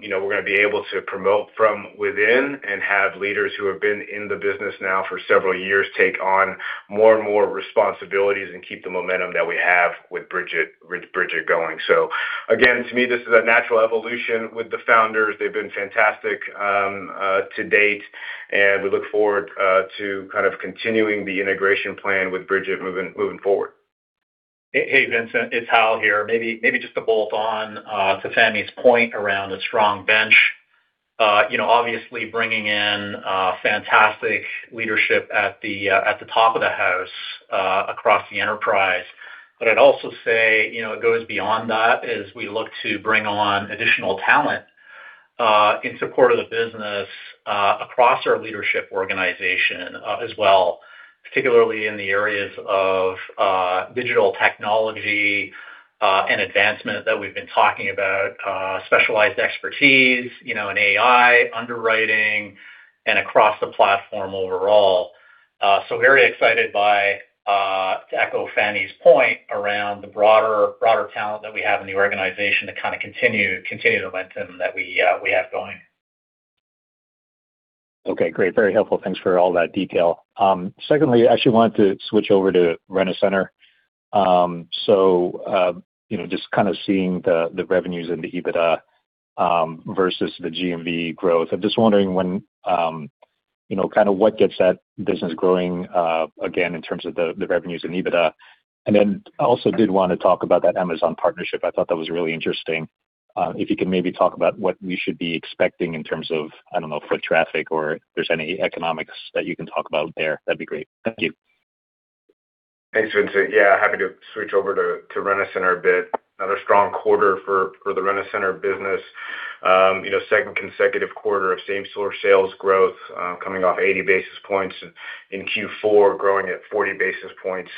you know, we're gonna be able to promote from within and have leaders who have been in the business now for several years take on more and more responsibilities and keep the momentum that we have with Brigit going. Again, to me, this is a natural evolution with the founders. They've been fantastic to date, and we look forward to kind of continuing the integration plan with Brigit moving forward. Hey, Vincent, it's Hal here. Maybe just to bolt on to Fahmi's point around a strong bench. You know, obviously bringing in fantastic leadership at the top of the house across the enterprise. I'd also say, you know, it goes beyond that as we look to bring on additional talent in support of the business across our leadership organization as well, particularly in the areas of digital technology and advancement that we've been talking about, specialized expertise, you know, in AI, underwriting and across the platform overall. Very excited by to echo Fahmi's point around the broader talent that we have in the organization to kind of continue the momentum that we have going. Okay, great. Very helpful. Thanks for all that detail. Secondly, I actually wanted to switch over to Rent-A-Center. You know, just kind of seeing the revenues and the EBITDA versus the GMV growth. I'm just wondering when, you know, kind of what gets that business growing again, in terms of the revenues and EBITDA. I also did wanna talk about that Amazon partnership. I thought that was really interesting. If you could maybe talk about what we should be expecting in terms of, I don't know, foot traffic or if there's any economics that you can talk about there, that'd be great. Thank you. Thanks, Vincent. Yeah, happy to switch over to Rent-A-Center a bit. Another strong quarter for the Rent-A-Center business. You know, second consecutive quarter of same-store sales growth, coming off 80 basis points in Q4, growing at 40 basis points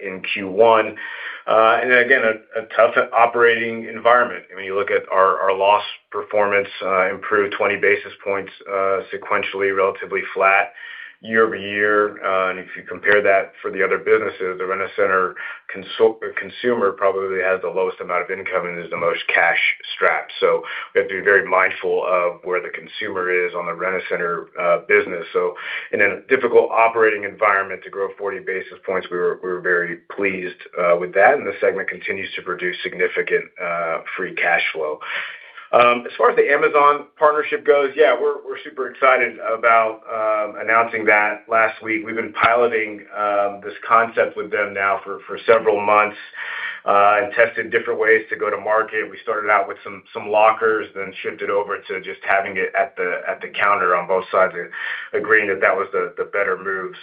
in Q1. Again, a tough operating environment. I mean, you look at our loss performance, improved 20 basis points sequentially, relatively flat year-over-year. If you compare that for the other businesses, the Rent-A-Center consumer probably has the lowest amount of income and is the most cash-strapped. We have to be very mindful of where the consumer is on the Rent-A-Center business. In a difficult operating environment to grow 40 basis points, we were very pleased with that, and the segment continues to produce significant free cash flow. As far as the Amazon partnership goes, yeah, we're super excited about announcing that last week. We've been piloting this concept with them now for several months and tested different ways to go to market. We started out with some lockers, then shifted over to just having it at the counter on both sides and agreeing that that was the better move.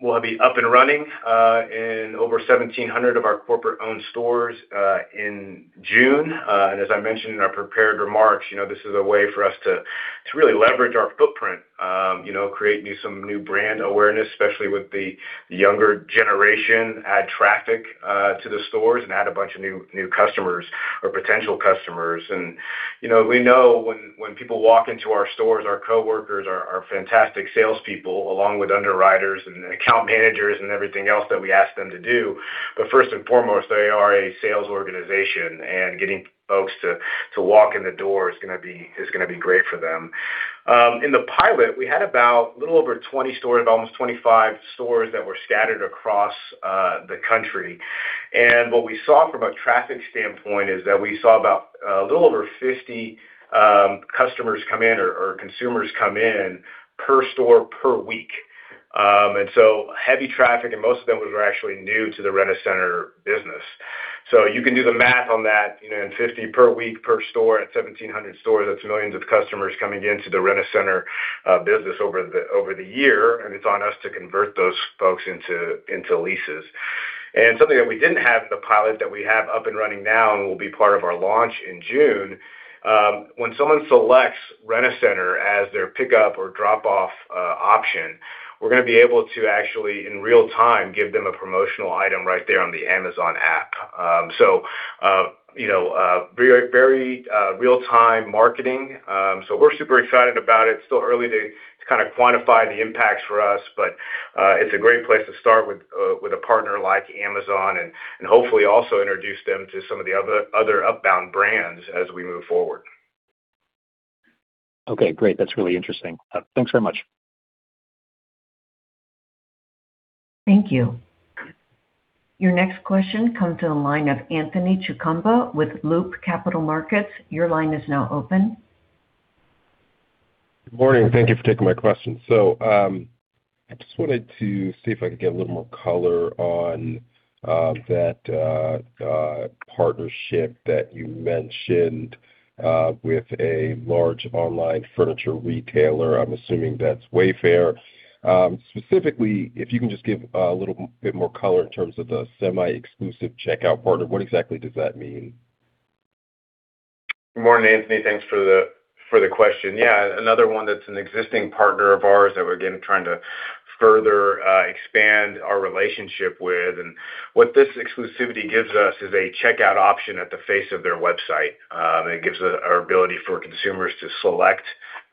We'll be up and running in over 1,700 of our corporate-owned stores in June. As I mentioned in our prepared remarks, you know, this is a way for us to really leverage our footprint, you know, create some new brand awareness, especially with the younger generation, add traffic to the stores and add a bunch of new customers or potential customers. You know, we know when people walk into our stores, our coworkers are fantastic salespeople, along with underwriters and account managers and everything else that we ask them to do. First and foremost, they are a sales organization, and getting folks to walk in the door is gonna be great for them. In the pilot, we had about a little over 20 stores, almost 25 stores that were scattered across the country. What we saw from a traffic standpoint is that we saw about a little over 50 customers come in or consumers come in per store per week. Heavy traffic, and most of them were actually new to the Rent-A-Center business. You can do the math on that. You know, in 50 per week per store at 1,700 stores, that's millions of customers coming into the Rent-A-Center business over the year, and it's on us to convert those folks into leases. Something that we didn't have in the pilot that we have up and running now and will be part of our launch in June, when someone selects Rent-A-Center as their pickup or drop-off option, we're gonna be able to actually, in real time, give them a promotional item right there on the Amazon app. You know, very, very real-time marketing. We're super excited about it. Still early to kind of quantify the impacts for us, but it's a great place to start with a partner like Amazon and hopefully also introduce them to some of the other Upbound brands as we move forward. Okay, great. That's really interesting. Thanks very much. Thank you. Your next question comes to the line of Anthony Chukumba with Loop Capital Markets. Your line is now open. Good morning. Thank you for taking my question. I just wanted to see if I could get a little more color on that partnership that you mentioned with a large online furniture retailer. I'm assuming that's Wayfair. Specifically, if you can just give a little bit more color in terms of the semi-exclusive checkout partner. What exactly does that mean? Good morning, Anthony. Thanks for the question. Yeah, another one that's an existing partner of ours that we're, again, trying to further expand our relationship with. What this exclusivity gives us is a checkout option at the face of their website. It gives our ability for consumers to select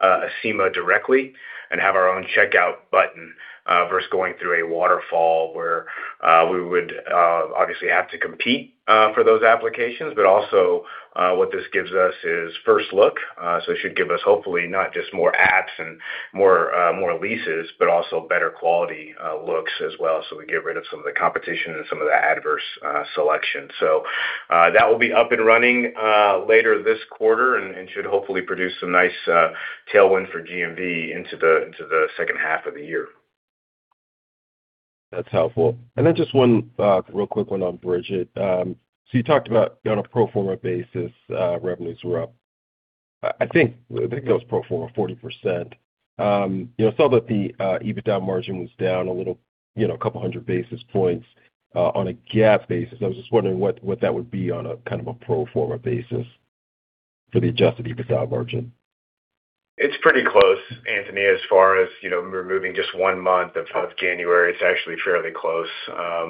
Acima directly and have our own checkout button versus going through a waterfall where we would obviously have to compete for those applications. Also, what this gives us is first look. It should give us hopefully not just more apps and more leases, but also better quality looks as well, we get rid of some of the competition and some of the adverse selection. That will be up and running later this quarter and should hopefully produce some nice tailwind for GMV into the second half of the year. That's helpful. Just one real quick one on Brigit. You talked about on a pro forma basis revenues were up. I think that was pro forma 40%. You know, saw that the EBITDA margin was down a little, you know, a couple hundred basis points on a GAAP basis. I was just wondering what that would be on a kind of a pro forma basis for the Adjusted EBITDA margin. It's pretty close, Anthony, as far as, you know, removing just one month of January. It's actually fairly close.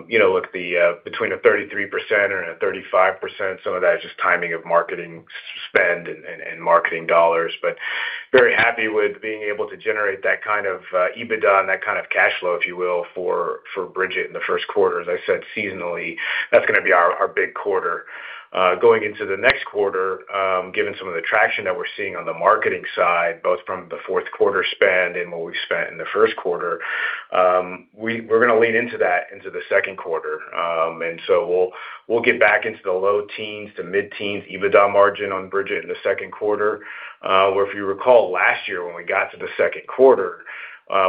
You know, look, between a 33% and a 35%, some of that is just timing of marketing spend and marketing dollars. Very happy with being able to generate that kind of EBITDA and that kind of cash flow, if you will, for Brigit in the first quarter. As I said seasonally, that's gonna be our big quarter. Going into the next quarter, given some of the traction that we're seeing on the marketing side, both from the fourth quarter spend and what we spent in the first quarter, we're gonna lean into that into the second quarter. We'll get back into the low teens to mid-teens EBITDA margin on Brigit in the second quarter. Where if you recall, last year when we got to the second quarter,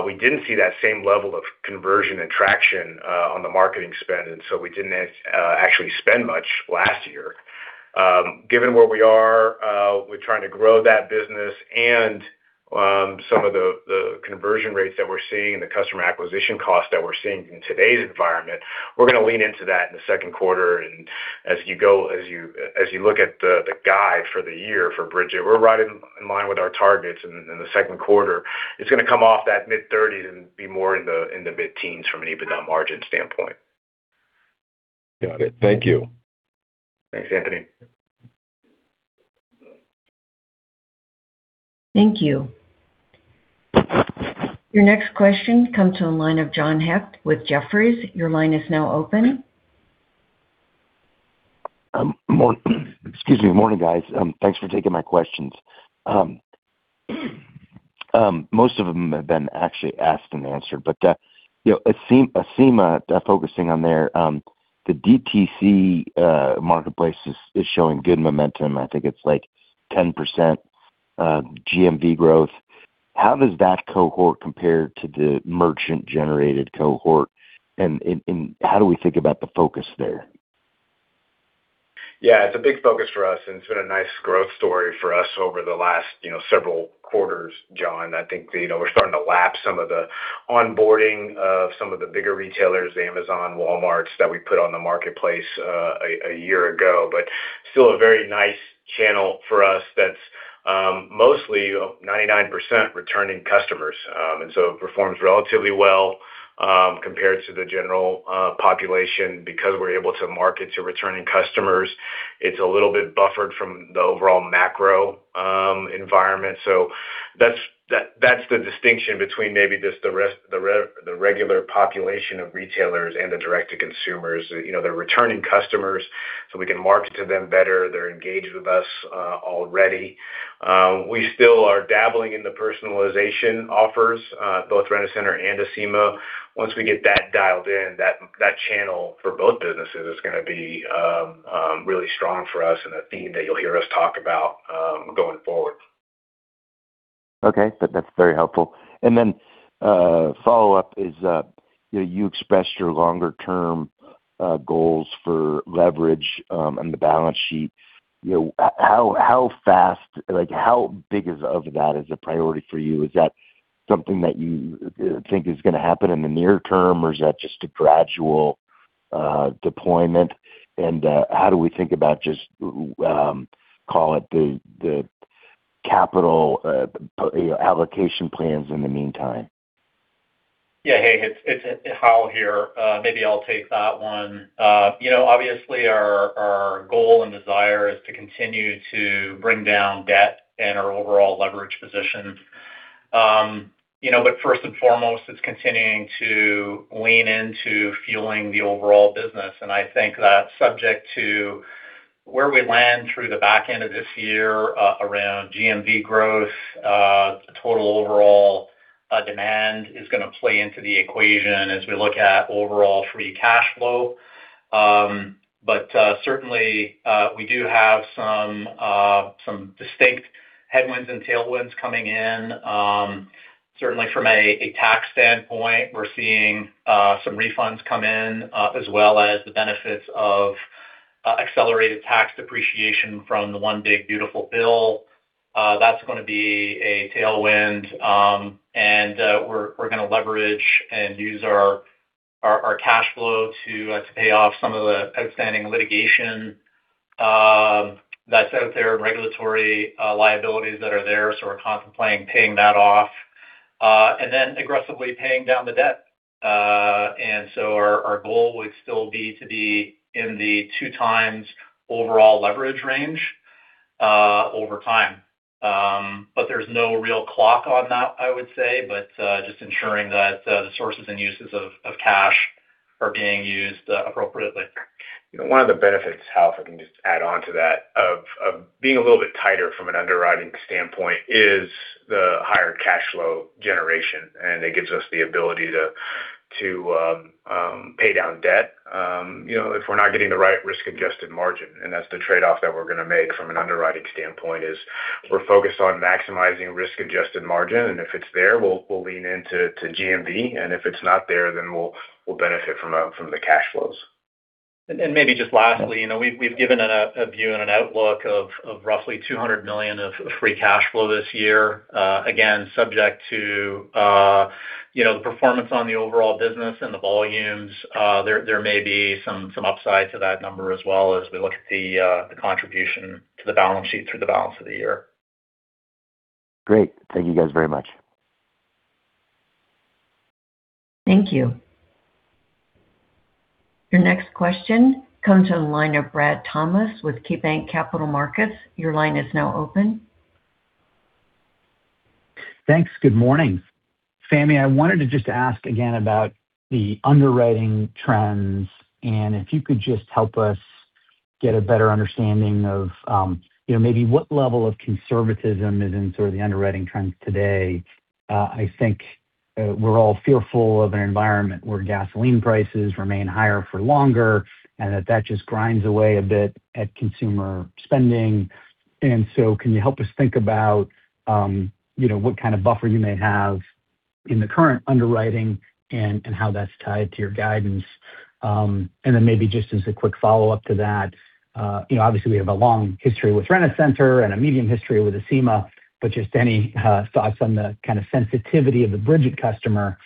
we didn't see that same level of conversion and traction on the marketing spend, and so we didn't actually spend much last year. Given where we are with trying to grow that business and some of the conversion rates that we're seeing and the customer acquisition costs that we're seeing in today's environment, we're gonna lean into that in the second quarter. As you look at the guide for the year for Brigit, we're right in line with our targets in the second quarter. It's gonna come off that mid-30s and be more in the, in the mid-teens from an EBITDA margin standpoint. Got it. Thank you. Thanks, Anthony. Thank you. Your next question comes to the line of John Hecht with Jefferies. Morning, excuse me. Morning, guys. Thanks for taking my questions. Most of them have been actually asked and answered. But, you know, Acima, focusing on there, the DTC marketplace is showing good momentum. I think it's like 10% GMV growth. How does that cohort compare to the merchant-generated cohort? And how do we think about the focus there? Yeah, it's a big focus for us, and it's been a nice growth story for us over the last, you know, several quarters, John. I think, you know, we're starting to lap some of the onboarding of some of the bigger retailers, the Amazon, Walmarts that we put on the marketplace a year ago. Still a very nice channel for us that's mostly 99% returning customers. It performs relatively well compared to the general population because we're able to market to returning customers. It's a little bit buffered from the overall macro environment. That's the distinction between maybe just the regular population of retailers and the direct to consumers. You know, they're returning customers, so we can market to them better. They're engaged with us already. We still are dabbling in the personalization offers, both Rent-A-Center and Acima. Once we get that dialed in, that channel for both businesses is gonna be really strong for us and a theme that you'll hear us talk about going forward. Okay. That's very helpful. Then, you know, follow-up is, you know, you expressed your longer term goals for leverage and the balance sheet. You know, how fast, like, how big is of that is a priority for you? Is that something that you think is gonna happen in the near term, or is that just a gradual deployment? How do we think about just, call it the capital, you know, allocation plans in the meantime? Yeah. Hey, it's Hal here. Maybe I'll take that one. You know, obviously our goal and desire is to continue to bring down debt and our overall leverage position. You know, first and foremost, it's continuing to lean into fueling the overall business. I think that subject to where we land through the back end of this year, around GMV growth, total overall demand is going to play into the equation as we look at overall free cash flow. Certainly, we do have some distinct headwinds and tailwinds coming in. Certainly from a tax standpoint, we're seeing some refunds come in, as well as the benefits of accelerated tax depreciation from the one big, beautiful bill. That's going to be a tailwind. We're going to leverage and use our cash flow to pay off some of the outstanding litigation that's out there and regulatory liabilities that are there. We're contemplating paying that off and then aggressively paying down the debt. Our goal would still be to be in the two times overall leverage range over time. There's no real clock on that, I would say. Just ensuring that the sources and uses of cash are being used appropriately. You know, one of the benefits, Hal, if I can just add on to that, of being a little bit tighter from an underwriting standpoint is the higher cash flow generation. It gives us the ability to pay down debt. You know, if we're not getting the right risk-adjusted margin, and that's the trade-off that we're going to make from an underwriting standpoint, is we're focused on maximizing risk-adjusted margin. If it's there, we'll lean into GMV. If it's not there, then we'll benefit from the cash flows. Maybe just lastly, you know, we've given a view and an outlook of roughly $200 million of free cash flow this year. Again, subject to, you know, the performance on the overall business and the volumes. There may be some upside to that number as well as we look at the contribution to the balance sheet through the balance of the year. Great. Thank you guys very much. Thank you. Your next question comes on the line of Brad Thomas with KeyBanc Capital Markets. Your line is now open. Thanks. Good morning. Fahmi, I wanted to just ask again about the underwriting trends, and if you could just help us get a better understanding of, you know, maybe what level of conservatism is in sort of the underwriting trends today. I think, we're all fearful of an environment where gasoline prices remain higher for longer and that that just grinds away a bit at consumer spending. Can you help us think about, you know, what kind of buffer you may have in the current underwriting and how that's tied to your guidance? Maybe just as a quick follow-up to that, you know, obviously we have a long history with Rent-A-Center and a medium history with Acima, but just any thoughts on the kind of sensitivity of the Brigit customer,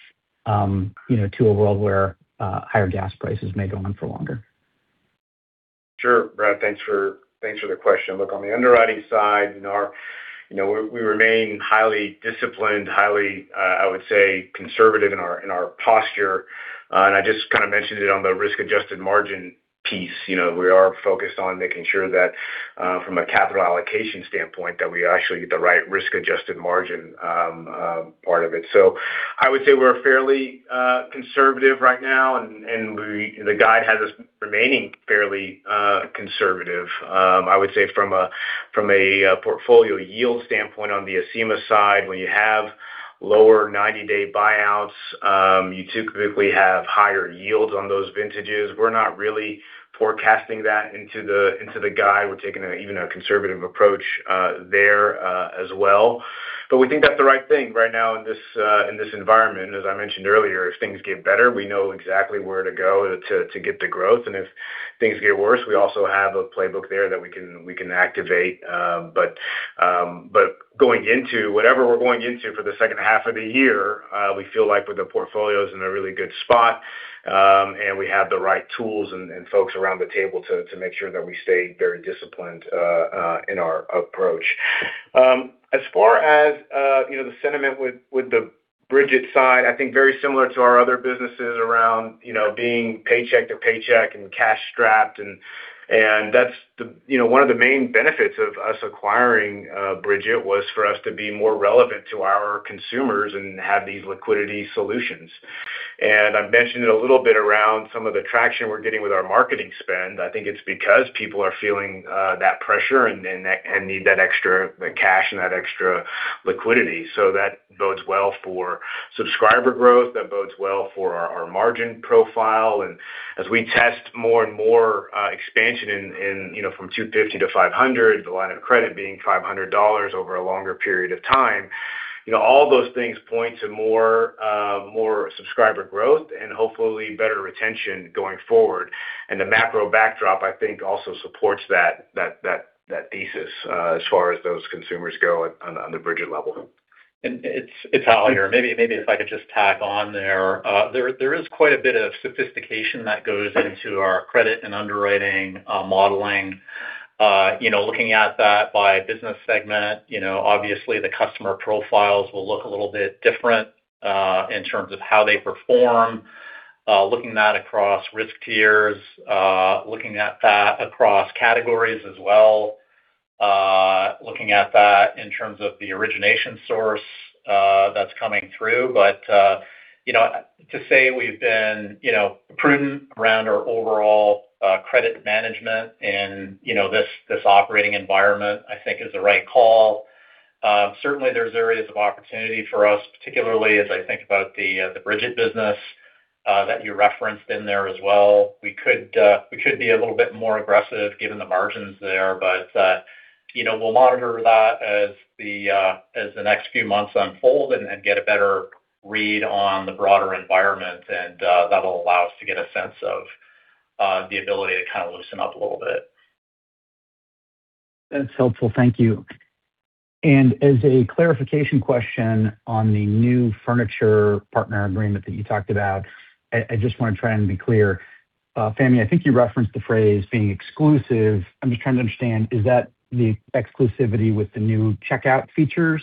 you know, to a world where higher gas prices may go on for longer. Sure. Brad, thanks for the question. On the underwriting side, you know, we remain highly disciplined, highly, I would say conservative in our posture. I just kind of mentioned it on the risk-adjusted margin piece. You know, we are focused on making sure that, from a capital allocation standpoint, that we actually get the right risk-adjusted margin part of it. I would say we're fairly conservative right now, and we the guide has us remaining fairly conservative. I would say from a portfolio yield standpoint on the Acima side, when you have lower 90-day buyouts, you typically have higher yields on those vintages. We're not really forecasting that into the guide. We're taking an even a conservative approach there as well. We think that's the right thing right now in this, in this environment. As I mentioned earlier, if things get better, we know exactly where to go to get the growth. If things get worse, we also have a playbook there that we can activate. Going into whatever we're going into for the second half of the year, we feel like with the portfolio's in a really good spot, and we have the right tools and folks around the table to make sure that we stay very disciplined in our approach. As far as, you know, the sentiment with the Brigit side, I think very similar to our other businesses around, you know, being paycheck to paycheck and cash-strapped. You know, one of the main benefits of us acquiring Brigit was for us to be more relevant to our consumers and have these liquidity solutions. I've mentioned it a little bit around some of the traction we're getting with our marketing spend. I think it's because people are feeling that pressure and need that extra, the cash and that extra liquidity. That bodes well for subscriber growth. That bodes well for our margin profile. As we test more and more expansion in, you know, from $250 to $500, the line of credit being $500 over a longer period of time, you know, all those things point to more subscriber growth and hopefully better retention going forward. The macro backdrop, I think, also supports that thesis, as far as those consumers go on the Brigit level. It's Hal here. Maybe if I could just tack on there. There is quite a bit of sophistication that goes into our credit and underwriting modeling. You know, looking at that by business segment, you know, obviously the customer profiles will look a little bit different in terms of how they perform. Looking at that across risk tiers, looking at that across categories as well, looking at that in terms of the origination source that's coming through. You know, to say we've been, you know, prudent around our overall credit management and, you know, this operating environment, I think is the right call. Certainly there's areas of opportunity for us, particularly as I think about the Brigit business that you referenced in there as well. We could be a little bit more aggressive given the margins there. You know, we'll monitor that as the next few months unfold and get a better read on the broader environment, and that'll allow us to get a sense of the ability to kind of loosen up a little bit. That's helpful. Thank you. As a clarification question on the new furniture partner agreement that you talked about. I just wanna try and be clear. Fahmi, I think you referenced the phrase being exclusive. I'm just trying to understand, is that the exclusivity with the new checkout features?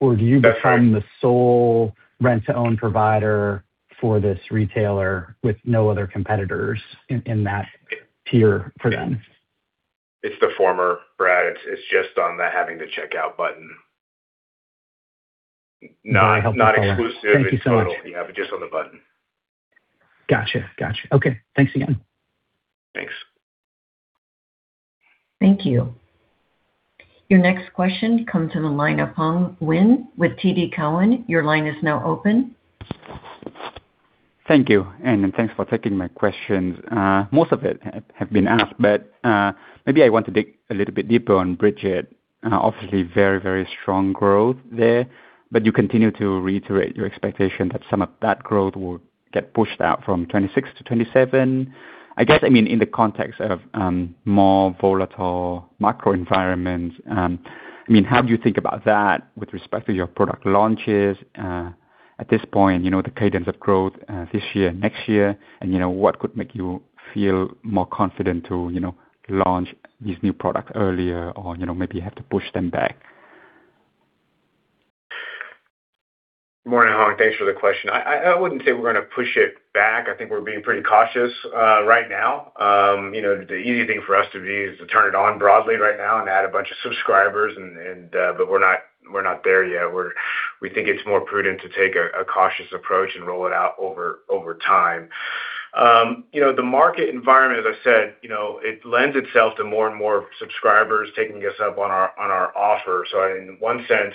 Or do you- That's right. Become the sole rent-to-own provider for this retailer with no other competitors in that tier for them? It's the former, Brad. It's just on the having the checkout button. Very helpful. Thank you so much. Not exclusive. It's not only that, but just on the button. Gotcha. Gotcha. Okay. Thanks again. Thanks. Thank you. Your next question comes from the line of Hoang Nguyen with TD Cowen. Your line is now open. Thank you. Thanks for taking my questions. Most of it have been asked, but maybe I want to dig a little bit deeper on Brigit. Obviously very strong growth there, but you continue to reiterate your expectation that some of that growth will get pushed out from 2026 to 2027. I guess, I mean, in the context of more volatile macro environment, I mean, how do you think about that with respect to your product launches at this point, you know, the cadence of growth this year, next year? You know, what could make you feel more confident to, you know, launch these new products earlier or, you know, maybe you have to push them back? Morning, Hoang. Thanks for the question. I wouldn't say we're gonna push it back. I think we're being pretty cautious right now. You know, the easy thing for us to do is to turn it on broadly right now and add a bunch of subscribers and we're not there yet. We think it's more prudent to take a cautious approach and roll it out over time. You know, the market environment, as I said, you know, it lends itself to more and more subscribers taking us up on our offer. In one sense,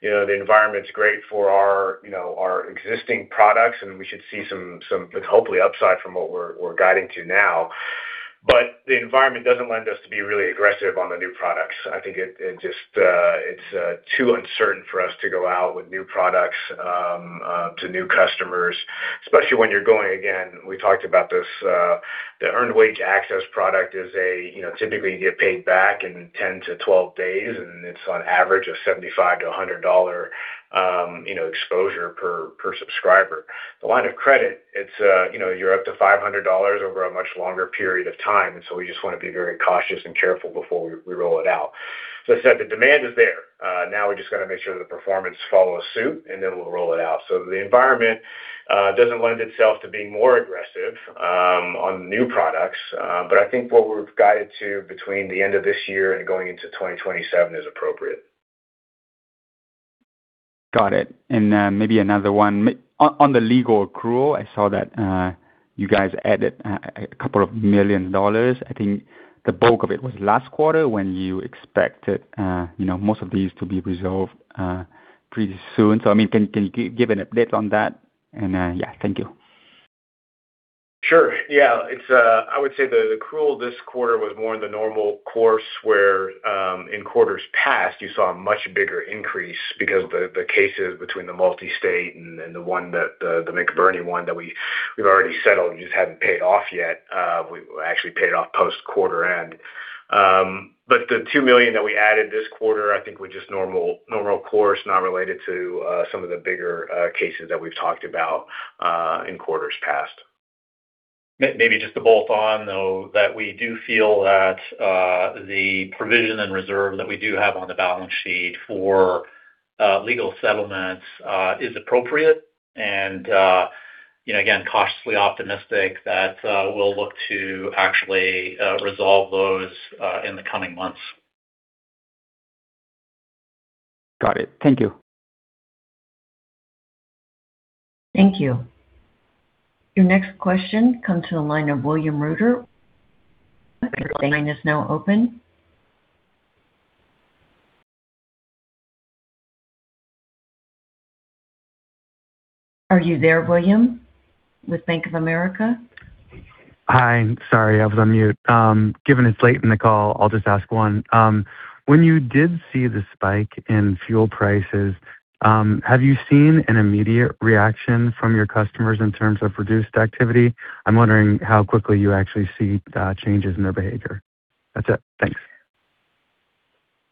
you know, the environment's great for our, you know, our existing products, and we should see some, hopefully upside from what we're guiding to now. The environment doesn't lend us to be really aggressive on the new products. I think it just, it's too uncertain for us to go out with new products to new customers, especially when you're going, again, we talked about this, the earned wage access product is a, you know, typically you get paid back in 10 to 12 days, and it's on average of $75 to $100, you know, exposure per subscriber. The line of credit, it's, you know, you're up to $500 over a much longer period of time. We just wanna be very cautious and careful before we roll it out. I said the demand is there. Now we just gotta make sure the performance follow a suit, and then we'll roll it out. The environment doesn't lend itself to being more aggressive on new products. I think what we've guided to between the end of this year and going into 2027 is appropriate. Got it. Maybe another one. On the legal accrual, I saw that you guys added a couple of million dollars. I think the bulk of it was last quarter when you expected, you know, most of these to be resolved pretty soon. I mean, can you give an update on that? Yeah. Thank you. Sure. Yeah. I would say the accrual this quarter was more in the normal course where in quarters past, you saw a much bigger increase because of the cases between the multi-state and the one that the McBurnie one that we've already settled, we just haven't paid off yet. We actually paid off post quarter end. The $2 million that we added this quarter, I think was just normal course, not related to some of the bigger cases that we've talked about in quarters past. Maybe just to bolt on, though, that we do feel that the provision and reserve that we do have on the balance sheet for legal settlements is appropriate. You know, again, cautiously optimistic that we'll look to actually resolve those in the coming months. Got it. Thank you. Thank you. Your next question comes to the line of William Reuter. Your line is now open. Are you there, William with Bank of America? Hi. Sorry, I was on mute. Given it's late in the call, I'll just ask one. When you did see the spike in fuel prices, have you seen an immediate reaction from your customers in terms of reduced activity? I'm wondering how quickly you actually see changes in their behavior. That's it. Thanks.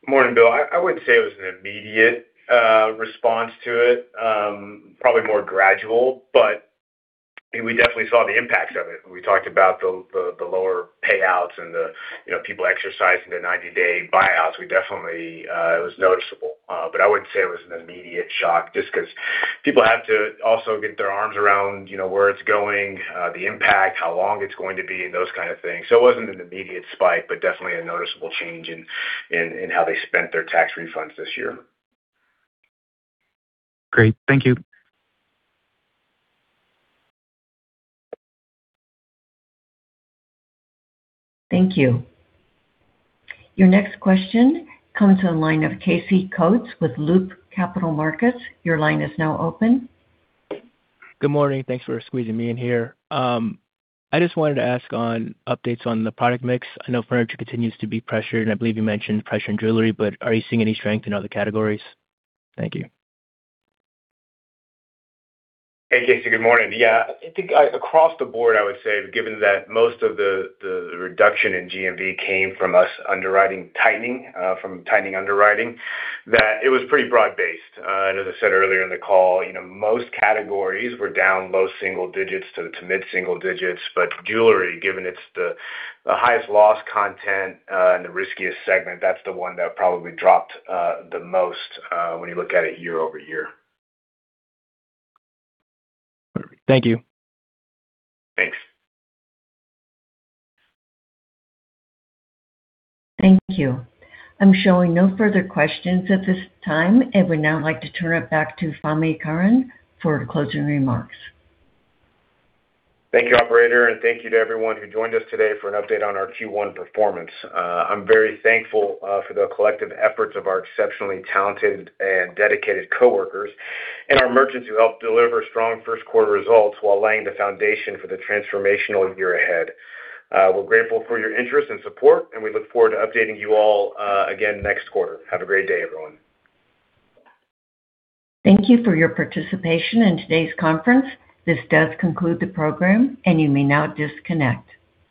Morning, Bill. I wouldn't say it was an immediate response to it, probably more gradual, but we definitely saw the impacts of it. We talked about the lower payouts and the, you know, people exercising their 90-day buyouts. We definitely, it was noticeable, but I wouldn't say it was an immediate shock just 'cause people have to also get their arms around, you know, where it's going, the impact, how long it's going to be, and those kind of things. It wasn't an immediate spike, but definitely a noticeable change in how they spent their tax refunds this year. Great. Thank you. Thank you. Your next question comes to the line of Casey Coates with Loop Capital Markets. Good morning. Thanks for squeezing me in here. I just wanted to ask on updates on the product mix. I know furniture continues to be pressured, and I believe you mentioned pressure in jewelry, but are you seeing any strength in other categories? Thank you. Hey, Casey. Good morning. Yeah, I think, across the board, I would say, given that most of the reduction in GMV came from us underwriting tightening, from tightening underwriting, that it was pretty broad-based. As I said earlier in the call, you know, most categories were down low single digits to mid-single digits. Jewelry, given it's the highest loss content, and the riskiest segment, that's the one that probably dropped the most when you look at it year-over-year. Thank you. Thanks. Thank you. I'm showing no further questions at this time and would now like to turn it back to Fahmi Karam for closing remarks. Thank you, operator, and thank you to everyone who joined us today for an update on our Q1 performance. I'm very thankful for the collective efforts of our exceptionally talented and dedicated coworkers and our merchants who helped deliver strong first quarter results while laying the foundation for the transformational year ahead. We're grateful for your interest and support, and we look forward to updating you all again next quarter. Have a great day, everyone. Thank you for your participation in today's conference. This does conclude the program. You may now disconnect.